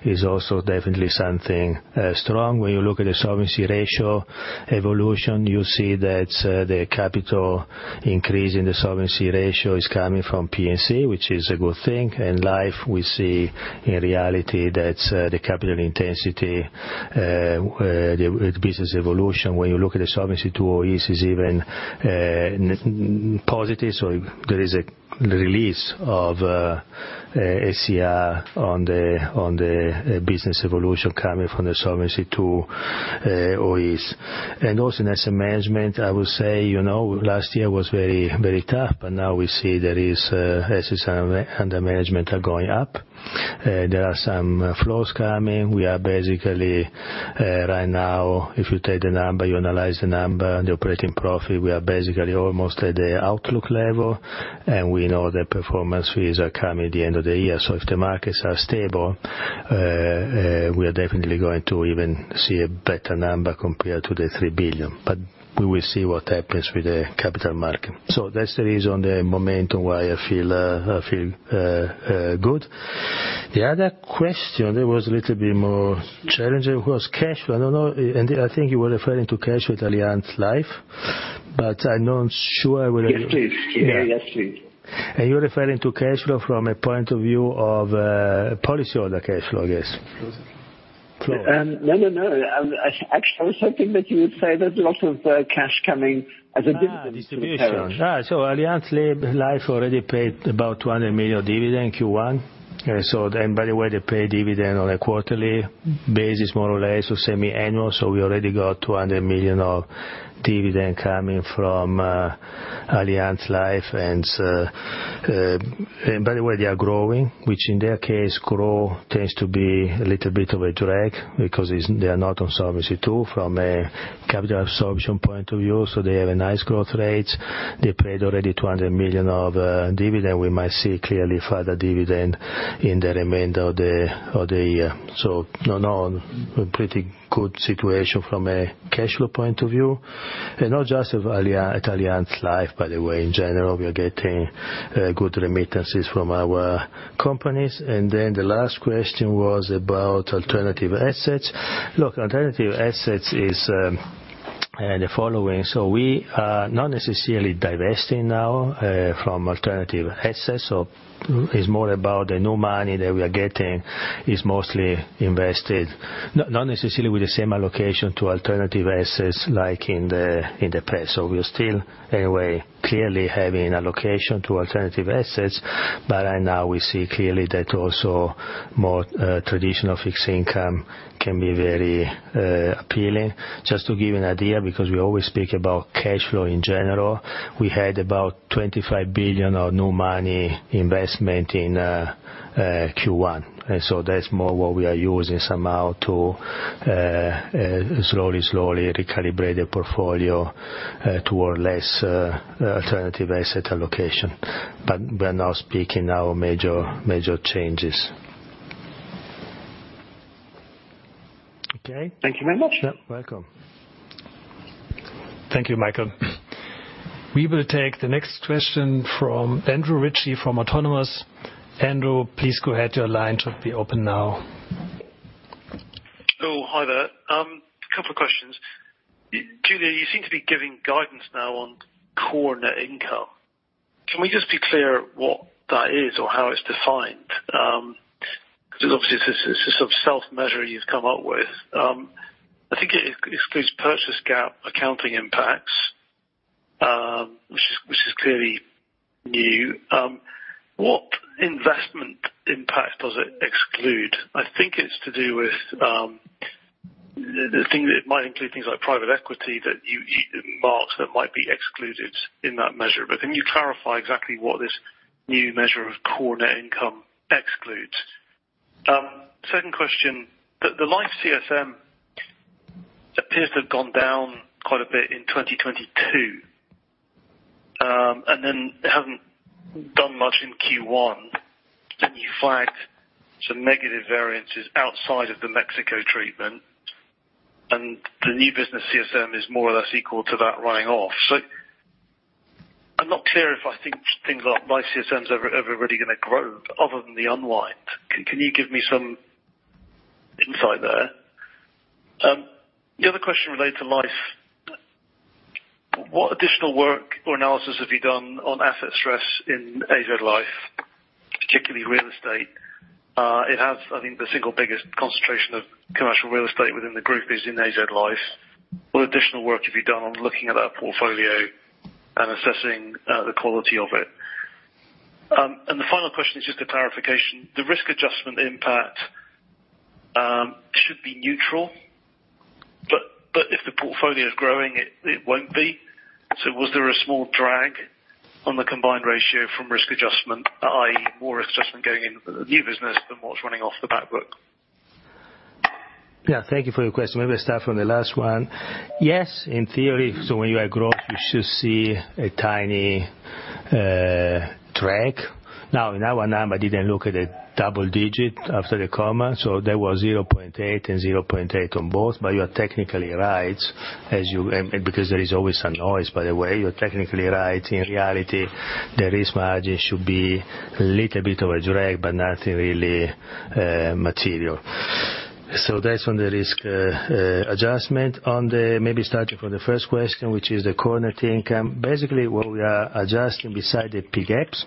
is also definitely something strong. When you look at the solvency ratio evolution, you see that the capital increase in the solvency ratio is coming from P&C, which is a good thing. In life, we see in reality that the capital intensity, where the business evolution, when you look at the Solvency II, is even positive. There is a release of ACR on the business evolution coming from the Solvency II OEs. In asset management, I would say, you know, last year was very, very tough, but now we see there is assets under management are going up. There are some flows coming. We are basically, right now, if you take the number, you analyze the number, the operating profit, we are basically almost at the outlook level, and we know the performance fees are coming at the end of the year. If the markets are stable, we are definitely going to even see a better number compared to 3 billion. We will see what happens with the capital market. That's the reason, the momentum why I feel good. The other question, it was a little bit more challenging. It was cashflow. I don't know. I think you were referring to cash with Allianz Life, but I'm not sure whether. Yes, please. Yeah. Yes, please. You're referring to cash flow from a point of view of policyholder cash flow, I guess. No, no. Actually, I was hoping that you would say there's a lot of cash coming as a distribution. Distribution. Allianz Life already paid about $200 million dividend Q1. By the way, they pay dividend on a quarterly basis, more or less, semi-annual. We already got $200 million of dividend coming from Allianz Life. By the way, they are growing, which in their case, grow tends to be a little bit of a drag because it's, they are not on Solvency II, from a capital absorption point of view. They have a nice growth rate. They paid already $200 million of dividend. We might see clearly further dividend in the remainder of the, of the year. No, no, a pretty good situation from a cash flow point of view. Not just of Allianz Life, by the way, in general, we are getting good remittances from our companies. The last question was about alternative assets. Look, alternative assets is the following. We are not necessarily divesting now from alternative assets. It's more about the new money that we are getting is mostly invested, not necessarily with the same allocation to alternative assets like in the past. We are still, anyway, clearly having allocation to alternative assets. Right now we see clearly that also more traditional fixed income can be very appealing. Just to give you an idea, because we always speak about cash flow in general, we had about 25 billion of new money investment in Q1. That's more what we are using somehow to slowly recalibrate the portfolio to a less alternative asset allocation. We're not speaking now major changes. Okay. Thank you very much. You're welcome. Thank you, Michael. We will take the next question from Andrew Ritchie from Autonomous. Andrew, please go ahead. Your line should be open now. Hi there. A couple of questions. Giulio, you seem to be giving guidance now on Core Net Income. Can we just be clear what that is or how it's defined? Obviously, this is some self-measure you've come up with. Excludes purchase GAAP accounting impacts, which is clearly new. What investment impact does it exclude? I think it's to do with the thing that it might include things like private equity that marks that might be excluded in that measure. Can you clarify exactly what this new measure of Core Net Income excludes? Second question. The life CSM appears to have gone down quite a bit in 2022, it hasn't done much in Q1. Can you flag some negative variances outside of the Mexico treatment, the new business CSM is more or less equal to that running off. I'm not clear if I think things like life CSM is ever really gonna grow other than the unwind. Can you give me some insight there? The other question related to life. What additional work or analysis have you done on asset stress in Allianz Life, particularly real estate? It has, I think, the single biggest concentration of commercial real estate within the group is in Allianz Life. What additional work have you done on looking at that portfolio and assessing the quality of it? The final question is just a clarification. The risk adjustment impact should be neutral, but if the portfolio is growing, it won't be. Was there a small drag on the combined ratio from risk adjustment, i.e., more risk adjustment going into the new business than what's running off the back book? Thank you for your question. Maybe start from the last one. Yes, in theory. When you have growth, you should see a tiny drag. In our number, I didn't look at a double digit after the comma, so there was 0.8 and 0.8 on both. You are technically right. And because there is always some noise by the way, you're technically right. In reality, the risk margin should be a little bit of a drag, but nothing really material. That's on the risk adjustment. Maybe starting from the first question, which is the Core Net Income. Basically, what we are adjusting beside the GAAP's,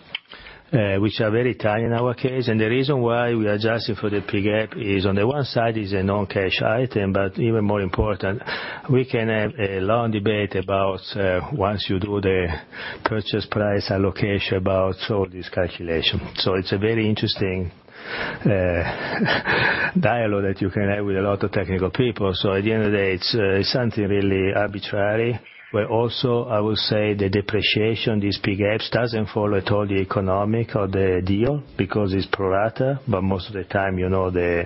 which are very tiny in our case. The reason why we are adjusting for the PGAAP is on the one side is a non-cash item. Even more important, we can have a long debate about once you do the purchase price allocation about all this calculation. It's a very interesting dialogue that you can have with a lot of technical people. At the end of the day, it's something really arbitrary. Also I will say the depreciation, these PGAAPs, doesn't follow at all the economic or the deal because it's pro rata, but most of the time, you know, the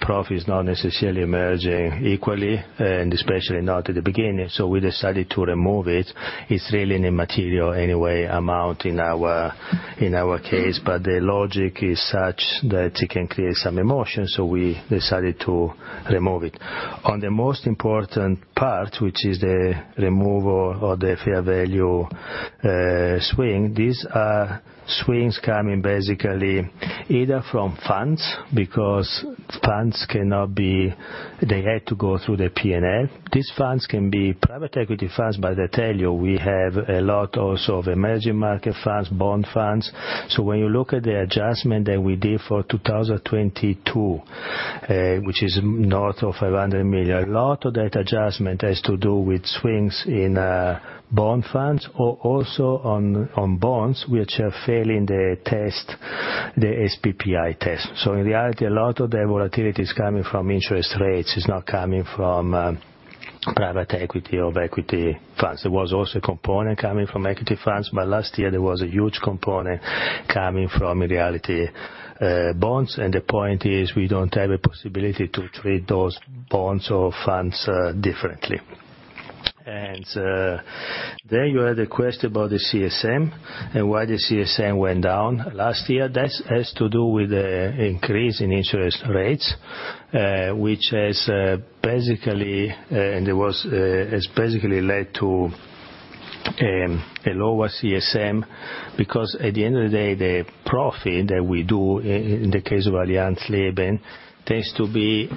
profit is not necessarily emerging equally, and especially not at the beginning. We decided to remove it. It's really an immaterial anyway amount in our case. The logic is such that it can create some emotion, so we decided to remove it. On the most important part, which is the removal of the fair value swing. These are swings coming basically either from funds. They had to go through the P&L. These funds can be private equity funds, but I tell you, we have a lot also of emerging market funds, bond funds. When you look at the adjustment that we did for 2022, which is north of 500 million, a lot of that adjustment has to do with swings in bond funds, also on bonds which are failing the test, the SPPI test. In reality a lot of the volatility is coming from interest rates. It's not coming from private equity or equity funds. There was also a component coming from equity funds, but last year there was a huge component coming from reality bonds. The point is we don't have a possibility to treat those bonds or funds differently. Then you had a question about the CSM and why the CSM went down last year. That has to do with the increase in interest rates, which has basically led to a lower CSM because at the end of the day, the profit that we do in the case of Allianz Leben tends to be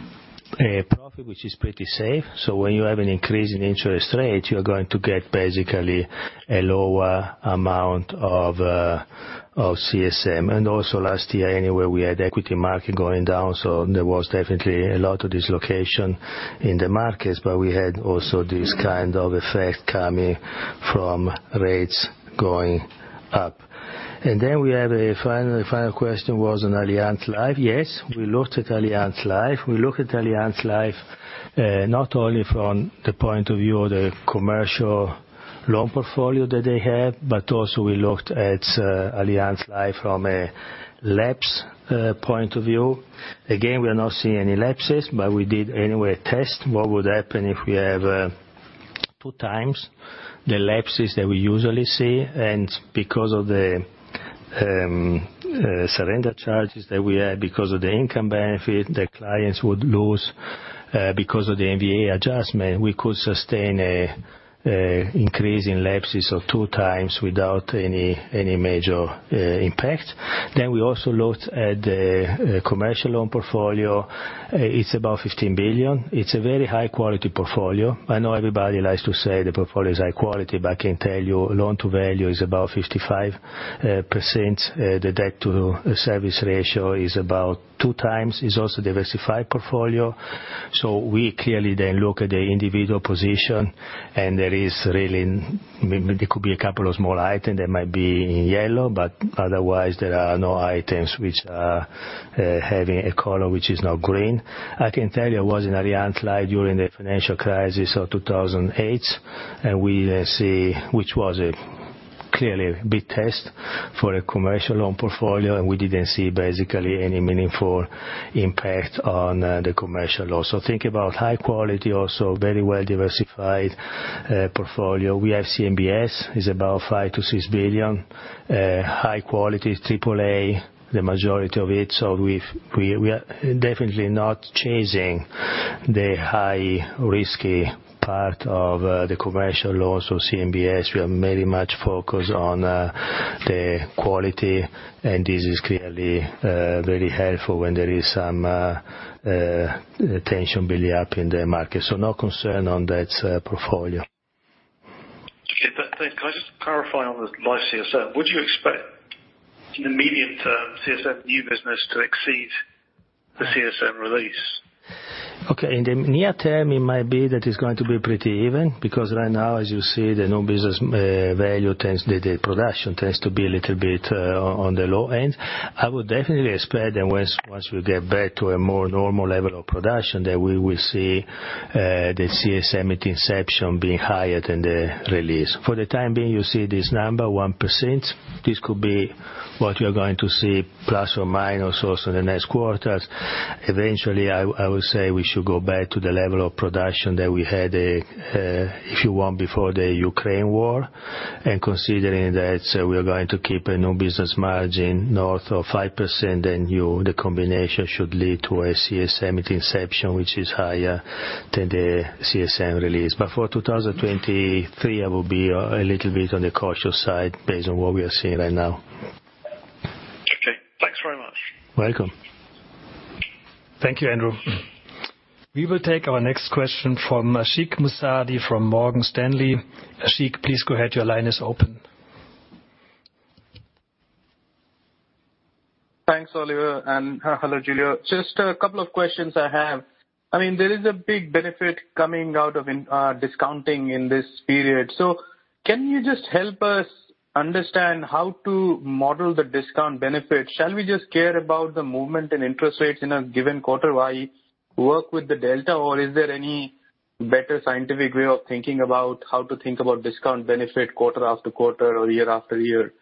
a profit which is pretty safe. When you have an increase in interest rate, you're going to get basically a lower amount of CSM. Also last year anyway, we had equity market going down, so there was definitely a lot of dislocation in the markets. We had also this kind of effect coming from rates going up. We have a final question was on Allianz Life. Yes, we looked at Allianz Life. We looked at Allianz Life, not only from the point of view of the commercial loan portfolio that they have, but also we looked at Allianz Life from a lapse point of view. Again, we are not seeing any lapses, but we did anyway a test. What would happen if we have 2x the lapses that we usually see, and because of the surrender charges that we had, because of the income benefit, the clients would lose. Because of the MVA adjustment, we could sustain an increase in lapses of 2x without any major impact. We also looked at the commercial loan portfolio. It's about $15 billion. It's a very high quality portfolio. I know everybody likes to say the portfolio is high quality, I can tell you loan-to-value is about 55%. The debt to service ratio is about 2x. It's also diversified portfolio. We clearly then look at the individual position, there could be a couple of small items that might be in yellow, but otherwise there are no items which are having a color which is not green. I can tell you I was in Allianz Life during the financial crisis of 2008, which was a clearly a big test for a commercial loan portfolio, we didn't see basically any meaningful impact on the commercial loan. Think about high quality, also very well diversified portfolio. We have CMBS, is about $5 billion to 6 billion. High quality, triple A, the majority of it. We are definitely not chasing the high risky part of the commercial loans or CMBS. We are very much focused on the quality, and this is clearly very helpful when there is some tension building up in the market. No concern on that portfolio. Okay. Can I just clarify on the life CSM? Would you expect in the medium term CSM new business to exceed the CSM release? Okay. In the near term, it might be that it's going to be pretty even because right now, as you see, the new business value tends the production tends to be a little bit on the low end. I would definitely expect that once we get back to a more normal level of production, that we will see the CSM at inception being higher than the release. For the time being, you see this number, 1%. This could be what you're going to see ± also in the next quarters. Eventually, I would say we should go back to the level of production that we had, if you want, before the Ukraine war. Considering that we are going to keep a New Business Margin north of 5% annual, the combination should lead to a CSM at inception, which is higher than the CSM release. For 2023, I will be a little bit on the cautious side based on what we are seeing right now. Okay. Thanks very much. Welcome. Thank you, Andrew. We will take our next question from Ashik Musaddi from Morgan Stanley. Ashik, please go ahead. Your line is open. Thanks, Oliver. Hello, Giulio. Just a couple of questions I have. I mean, there is a big benefit coming out of in discounting in this period. Can you just help us understand how to model the discount benefit? Shall we just care about the movement in interest rates in a given quarter while work with the delta, or is there any better scientific way of thinking about how to think about discount benefit quarter after quarter or year after year?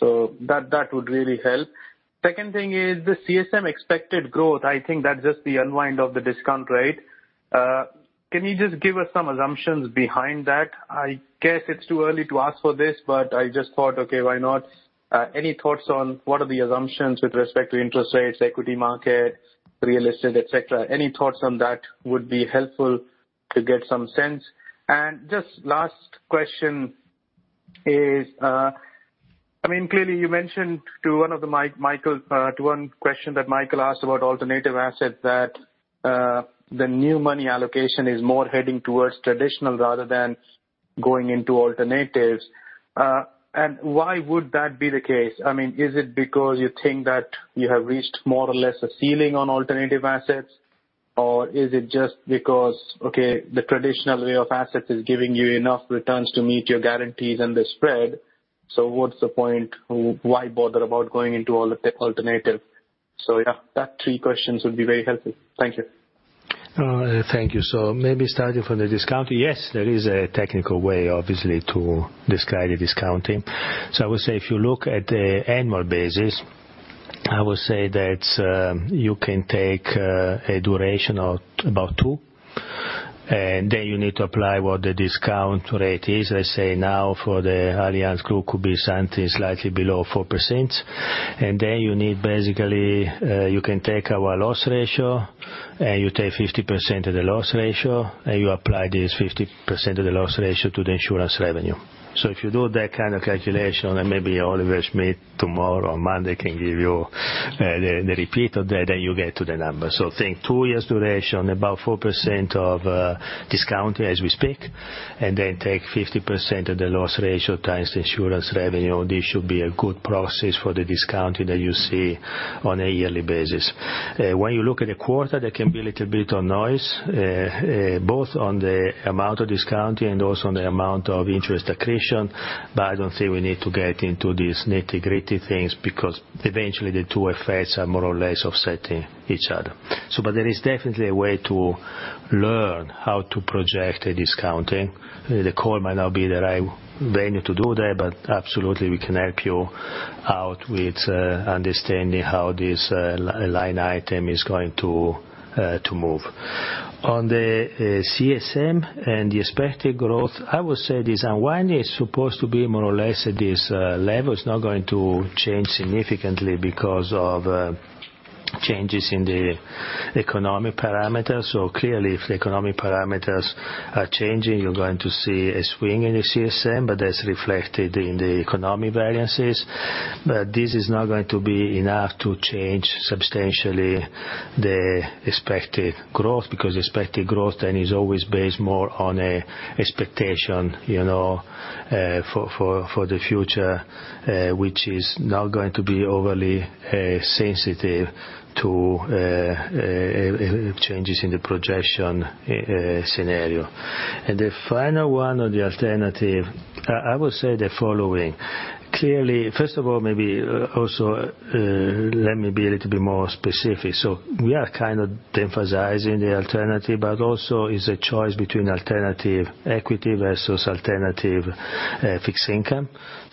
That, that would really help. Second thing is the CSM expected growth. I think that's just the unwind of the discount rate. Can you just give us some assumptions behind that? I guess it's too early to ask for this, but I just thought, okay, why not? Any thoughts on what are the assumptions with respect to interest rates, equity market, real estate, et cetera? Any thoughts on that would be helpful to get some sense. Just last question is, clearly, you mentioned to one question that Michael asked about alternative assets that the new money allocation is more heading towards traditional rather than going into alternatives. Why would that be the case? I mean, is it because you think that you have reached more or less a ceiling on alternative assets, or is it just because, okay, the traditional way of assets is giving you enough returns to meet your guarantees and the spread? What's the point? Why bother about going into all of the alternative? That three questions would be very helpful. Thank you. Thank you. Maybe starting from the discount. Yes, there is a technical way, obviously, to describe the discounting. I would say if you look at the annual basis, I would say that you can take a duration of about two, and then you need to apply what the discount rate is. Let's say now for the Allianz Group could be something slightly below 4%. You need basically, you can take our loss ratio, and you take 50% of the loss ratio, and you apply this 50% of the loss ratio to the insurance revenue. If you do that kind of calculation, and maybe Oliver Schmidt tomorrow or Monday can give you the repeat of that, then you get to the number. Think two years duration, about 4% of discount as we speak, and then take 50% of the loss ratio times the Insurance revenue. This should be a good process for the discounting that you see on a yearly basis. When you look at a quarter, there can be a little bit of noise, both on the amount of discounting and also on the amount of interest accretion. I don't think we need to get into these nitty-gritty things because eventually the two effects are more or less offsetting each other. There is definitely a way to learn how to project a discounting. The call might not be the right venue to do that, but absolutely we can help you out with understanding how this line item is going to move. On the CSM and the expected growth, I would say this unwind is supposed to be more or less at this level. It's not going to change significantly because of changes in the economic parameters. Clearly, if the economic parameters are changing, you're going to see a swing in the CSM, but that's reflected in the economic variances. This is not going to be enough to change substantially the expected growth, because expected growth then is always based more on a expectation, you know, for the future, which is not going to be overly sensitive to changes in the projection scenario. The final one on the alternative, I would say the following. Clearly... First of all, maybe also, let me be a little bit more specific. We are kind of emphasizing the alternative, but also is a choice between alternative equity versus alternative fixed income.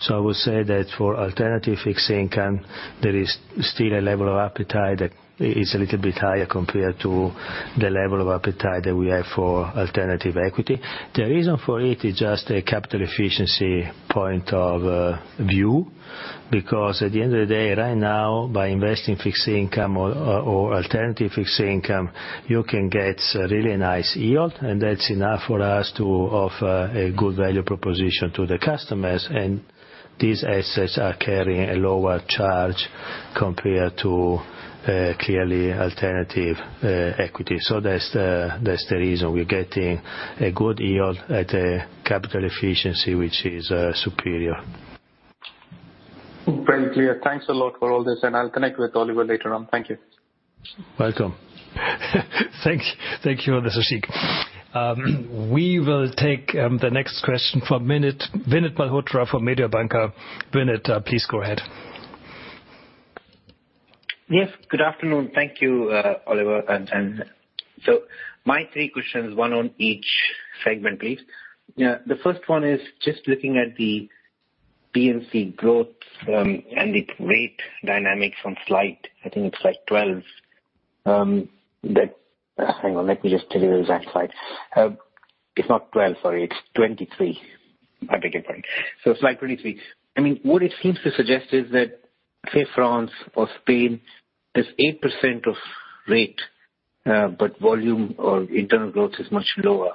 I would say that for alternative fixed income, there is still a level of appetite that is a little bit higher compared to the level of appetite that we have for alternative equity. The reason for it is just a capital efficiency point of view, because at the end of the day, right now, by investing fixed income or alternative fixed income, you can get really nice yield, and that's enough for us to offer a good value proposition to the customers. These assets are carrying a lower charge compared to clearly alternative equity. That's the reason. We're getting a good yield at a capital efficiency which is superior. Very clear. Thanks a lot for all this, and I'll connect with Oliver later on. Thank you. Welcome. Thank you, Ashik. We will take the next question from Vinit Malhotra from Mediobanca. Vinit, please go ahead. Yes, good afternoon. Thank you, Oliver, and my three questions, one on each segment, please. The first one is just looking at the P&C growth, and its rate dynamics on slide, I think it's slide 12. Hang on, let me just deliver that slide. It's not 12, sorry, it's 23. I beg your pardon. Slide 23. I mean, what it seems to suggest is that, say, France or Spain is 8% of rate, but volume or internal growth is much lower.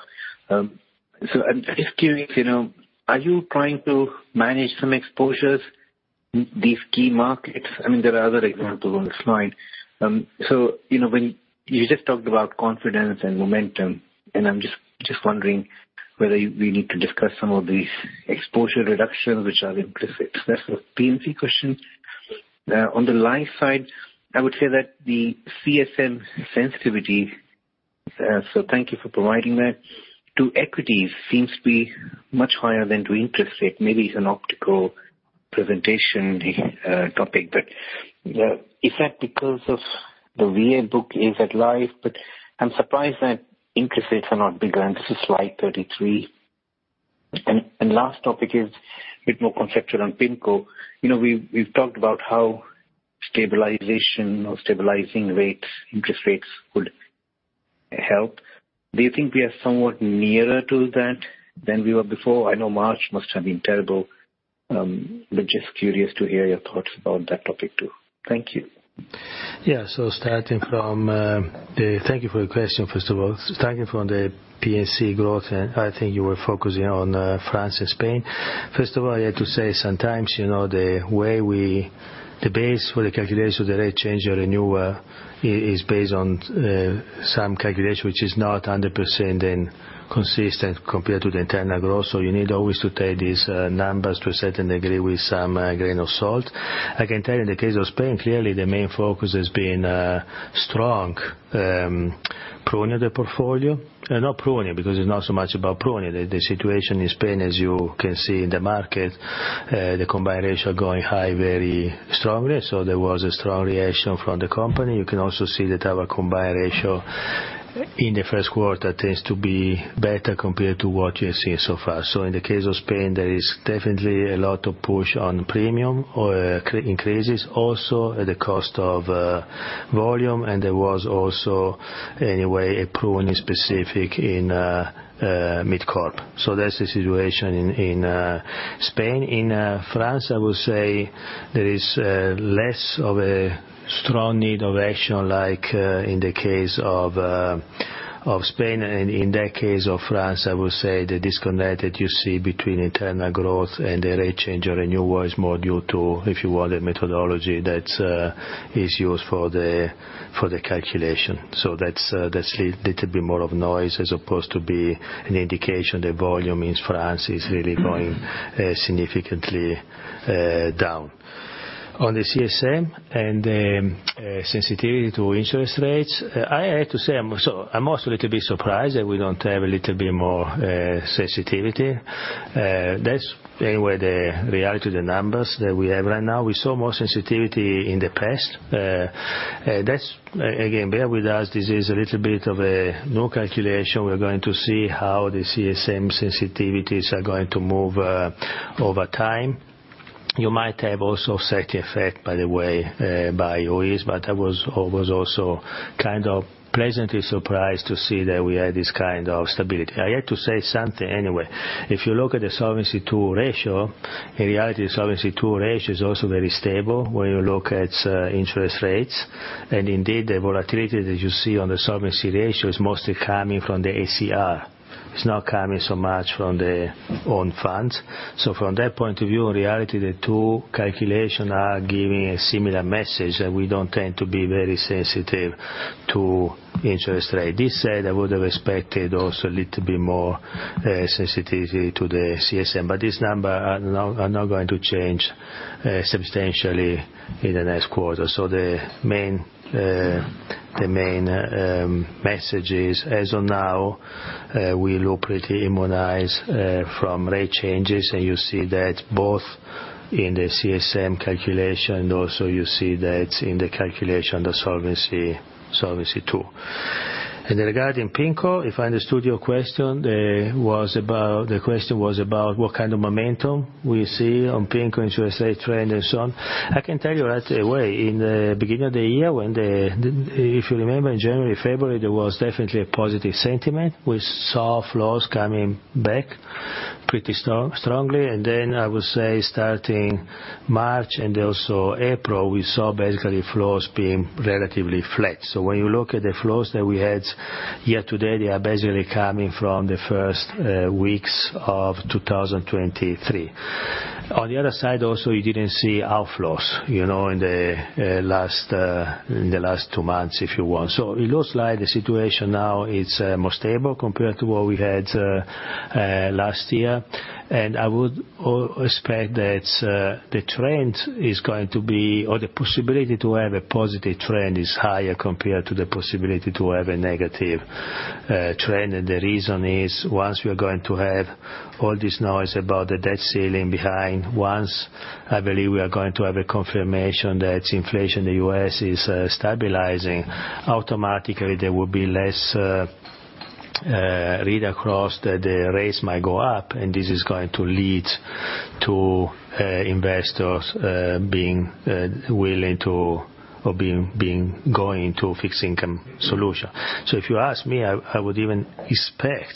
I'm just curious, you know, are you trying to manage some exposures in these key markets? I mean, there are other examples on the slide. You know, when you just talked about confidence and momentum, and I'm just wondering whether we need to discuss some of these exposure reductions which are implicit. That's the P&C question. On the life side, I would say that the CSM sensitivity, so thank you for providing that, to equities seems to be much higher than to interest rate. Maybe it's an optical presentation, the topic, but is that because of the VA book is at life? I'm surprised that interest rates are not bigger, and this is slide 33. Last topic is a bit more conceptual on PIMCO. You know we've talked about how stabilization or stabilizing rates, interest rates could help. Do you think we are somewhat nearer to that than we were before? I know March must have been terrible, but just curious to hear your thoughts on that topic too. Thank you. Thank you for your question, first of all. Starting from the P&C growth, I think you were focusing on France and Spain. First of all, I have to say, sometimes, you know, the way the base for the calculation of the rate change or renewal is based on some calculation which is not 100% in consistent compared to the internal growth. You need always to take these numbers to a certain degree with some grain of salt. I can tell you in the case of Spain, clearly the main focus has been strong pruning the portfolio. Not pruning because it's not so much about pruning. The situation in Spain, as you can see in the market, the combined ratio going high very strongly, there was a strong reaction from the company. You can also see that our combined ratio in the Q1 tends to be better compared to what you have seen so far. In the case of Spain, there is definitely a lot of push on premium or increases also at the cost of volume, and there was also, anyway, a pruning specific in mid-corp. That's the situation in Spain. In France, I would say there is less of a strong need of action like in the case of Spain. In that case of France, I would say the disconnect that you see between internal growth and the rate change or renewal is more due to, if you want, a methodology that is used for the calculation. That's a little bit more of noise as opposed to be an indication the volume in France is really going significantly down. On the CSM and sensitivity to interest rates, I have to say I'm also a little bit surprised that we don't have a little bit more sensitivity. That's anyway the reality, the numbers that we have right now. We saw more sensitivity in the past. That's again, bear with us. This is a little bit of a new calculation. We're going to see how the CSM sensitivities are going to move over time. You might have also set effect, by the way, by OEs, but I was also kind of pleasantly surprised to see that we had this kind of stability. I had to say something anyway. If you look at the Solvency II ratio, in reality, Solvency II ratio is also very stable when you look at interest rates. Indeed, the volatility that you see on the solvency ratio is mostly coming from the ACR. It's not coming so much from the own funds. From that point of view, in reality, the two calculation are giving a similar message that we don't tend to be very sensitive to interest rate. This side, I would have expected also a little bit more sensitivity to the CSM, but this number are not going to change substantially in the next quarter. The main message is, as of now, we look pretty immunized from rate changes, and you see that both in the CSM calculation, and also you see that in the calculation, the Solvency II. Regarding PIMCO, if I understood your question, it was about. The question was about what kind of momentum we see on PIMCO interest rate trend and so on. I can tell you right away, in the beginning of the year when, if you remember in January, February, there was definitely a positive sentiment. We saw flows coming back pretty strongly. I would say starting March and also April, we saw basically flows being relatively flat. When you look at the flows that we had here today, they are basically coming from the first weeks of 2023. On the other side, also, you didn't see outflows, you know, in the last two months, if you want. It looks like the situation now is more stable compared to what we had last year. I would expect that the trend is going to be, or the possibility to have a positive trend is higher compared to the possibility to have a negative trend. The reason is, once we are going to have all this noise about the debt ceiling behind, once I believe we are going to have a confirmation that inflation in the U.S. is stabilizing, automatically there will be less read across that the rates might go up, and this is going to lead to investors being willing to or being going into fixed income solution. If you ask me, I would even expect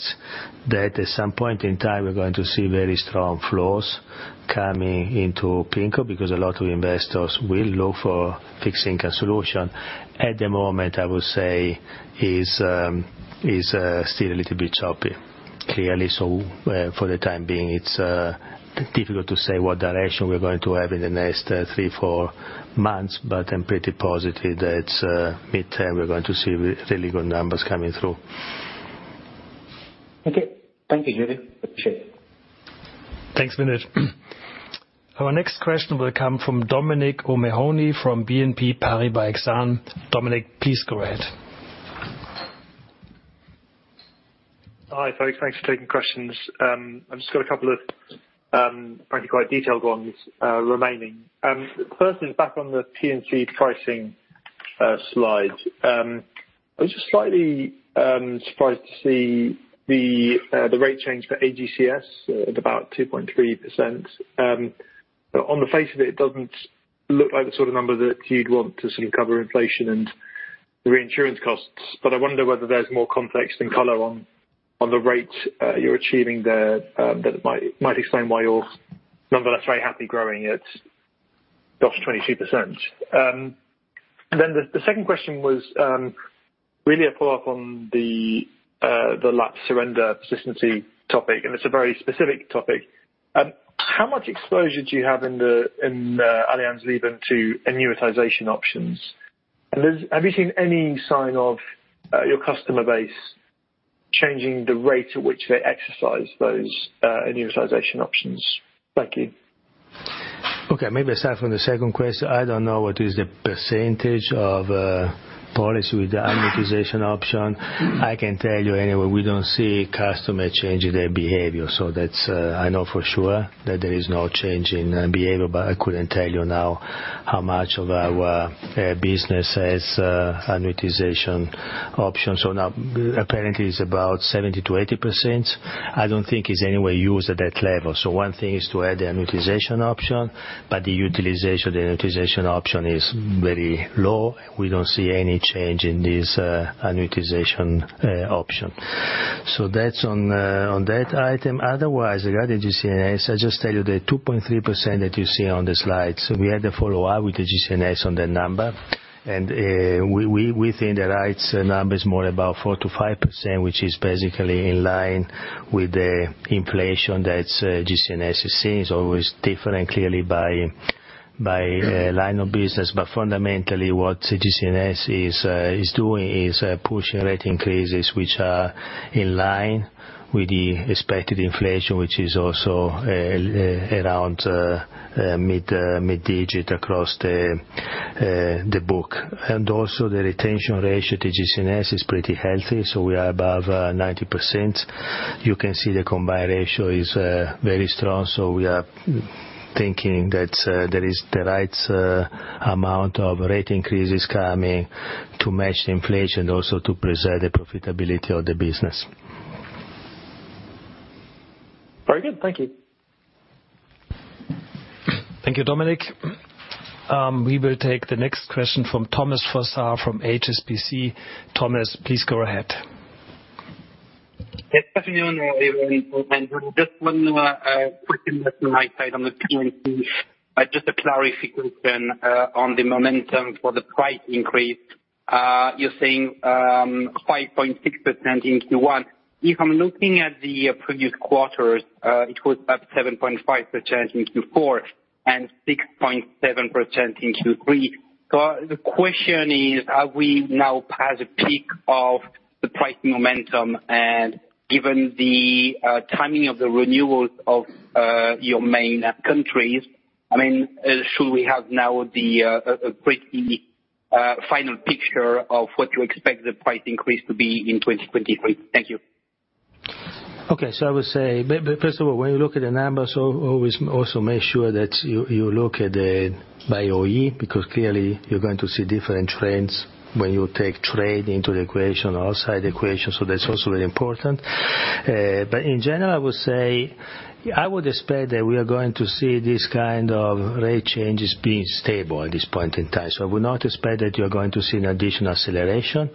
that at some point in time, we're going to see very strong flows coming into PIMCO because a lot of investors will look for fixed income solution. At the moment, I would say is still a little bit choppy. Clearly, for the time being, it's difficult to say what direction we're going to have in the next three, four months, but I'm pretty positive that midterm, we're going to see really good numbers coming through. Okay. Thank you, Giulio. Appreciate it. Thanks, Vinit. Our next question will come from Dominic O'Mahony from BNP Paribas Exane. Dominic, please go ahead. Hi, folks. Thanks for taking questions. I've just got a couple of, frankly, quite detailed ones remaining. First is back on the P&C pricing slide. I was just slightly surprised to see the rate change for AGCS at about 2.3%. On the face of it doesn't look like the sort of number that you'd want to see cover inflation and reinsurance costs. I wonder whether there's more context and color on the rate you're achieving there that might explain why your nonetheless very happy growing at +22%. The second question was really a follow-up on the laps surrender persistency topic, and it's a very specific topic. How much exposure do you have in Allianz Leben to annuitization options? Have you seen any sign of your customer base changing the rate at which they exercise those annuitization options? Thank you. Okay. Maybe I start from the second question. I don't know what is the percentage of policy with the annuitization option. I can tell you anyway, we don't see customer changing their behavior. That's, I know for sure that there is no change in behavior, but I couldn't tell you now how much of our business has annuitization option. Now apparently it's about 70 to 80%. I don't think it's anywhere used at that level. One thing is to add the annuitization option, but the utilization, the annuitization option is very low. We don't see any change in this annuitization option. That's on that item. Otherwise, regarding GC&S, I just tell you the 2.3% that you see on the slides. We had the follow-up with the GC&S on the number. We think the right number is more about 4 to 5%, which is basically in line with the inflation that GC&S is seeing. It's always different clearly by line of business. Fundamentally, what GC&S is doing is pushing rate increases, which are in line with the expected inflation, which is also around mid digit across the book. Also the retention ratio to GC&S is pretty healthy, we are above 90%. You can see the combined ratio is very strong, we are thinking that there is the right amount of rate increases coming to match the inflation, also to preserve the profitability of the business. Very good. Thank you. Thank you, Dominic. We will take the next question from Thomas Fossard from HSBC. Thomas, please go ahead. Yes, good afternoon, everyone. Just one quick investment insight on the P&C. Just a clarification on the momentum for the price increase. You're saying 5.6% in Q1. If I'm looking at the previous quarters, it was up 7.5% in Q4 and 6.7% in Q3. The question is, have we now passed the peak of the price momentum? Given the timing of the renewals of your main countries, I mean, should we have now a pretty final picture of what you expect the price increase to be in 2023? Thank you. I would say, first of all, when you look at the numbers, always also make sure that you look at it by OE, because clearly you're going to see different trends when you take trade into the equation or outside the equation. That's also very important. In general, I would say I would expect that we are going to see these kind of rate changes being stable at this point in time. I would not expect that you're going to see an additional acceleration,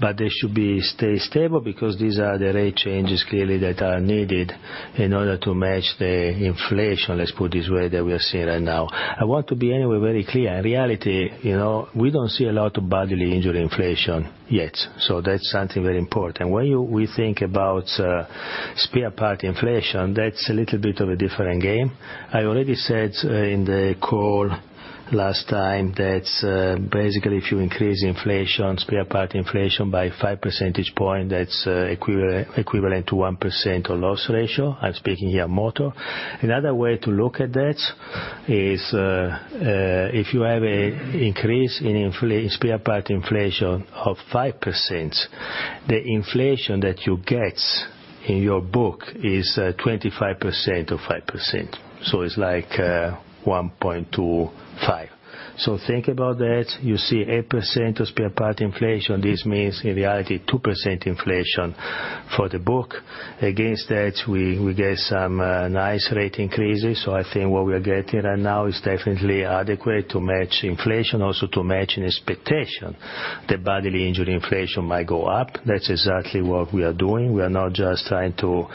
but they should be stable because these are the rate changes clearly that are needed in order to match the inflation, let's put it this way, that we are seeing right now. I want to be anyway very clear. In reality, you know, we don't see a lot of bodily injury inflation yet. That's something very important. When we think about spare part inflation, that's a little bit of a different game. I already said in the call last time that basically if you increase inflation, spare part inflation by 5 percentage point, that's equivalent to 1% of loss ratio. I'm speaking here motor. Another way to look at that is if you have a increase in spare part inflation of 5%, the inflation that you get in your book is 25% of 5%. It's like 1.25. Think about that. You see 8% of spare part inflation. This means in reality 2% inflation for the book. Against that, we get some nice rate increases. I think what we are getting right now is definitely adequate to match inflation, also to match an expectation that bodily injury inflation might go up. That's exactly what we are doing. We are not just trying to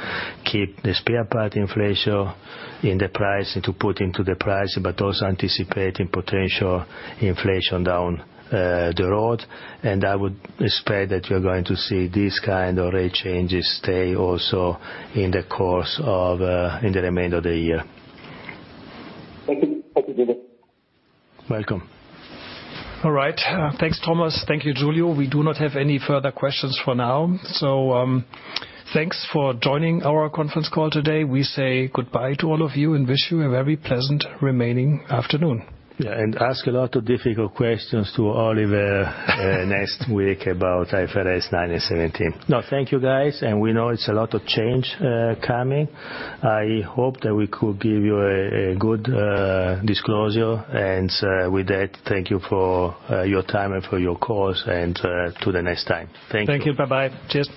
keep the spare part inflation in the price and to put into the price, but also anticipating potential inflation down the road. I would expect that you're going to see these kind of rate changes stay also in the course of in the remainder of the year. Thank you. Thank you, Giulio. Welcome. All right. Thanks, Thomas. Thank you, Giulio. We do not have any further questions for now. Thanks for joining our conference call today. We say goodbye to all of you and wish you a very pleasant remaining afternoon. Yeah, ask a lot of difficult questions to Oliver next week about IFRS 9 and 17. No, thank you, guys. We know it's a lot of change coming. I hope that we could give you a good disclosure. With that, thank you for your time and for your calls, and to the next time. Thank you. Thank you. Bye-bye. Cheers.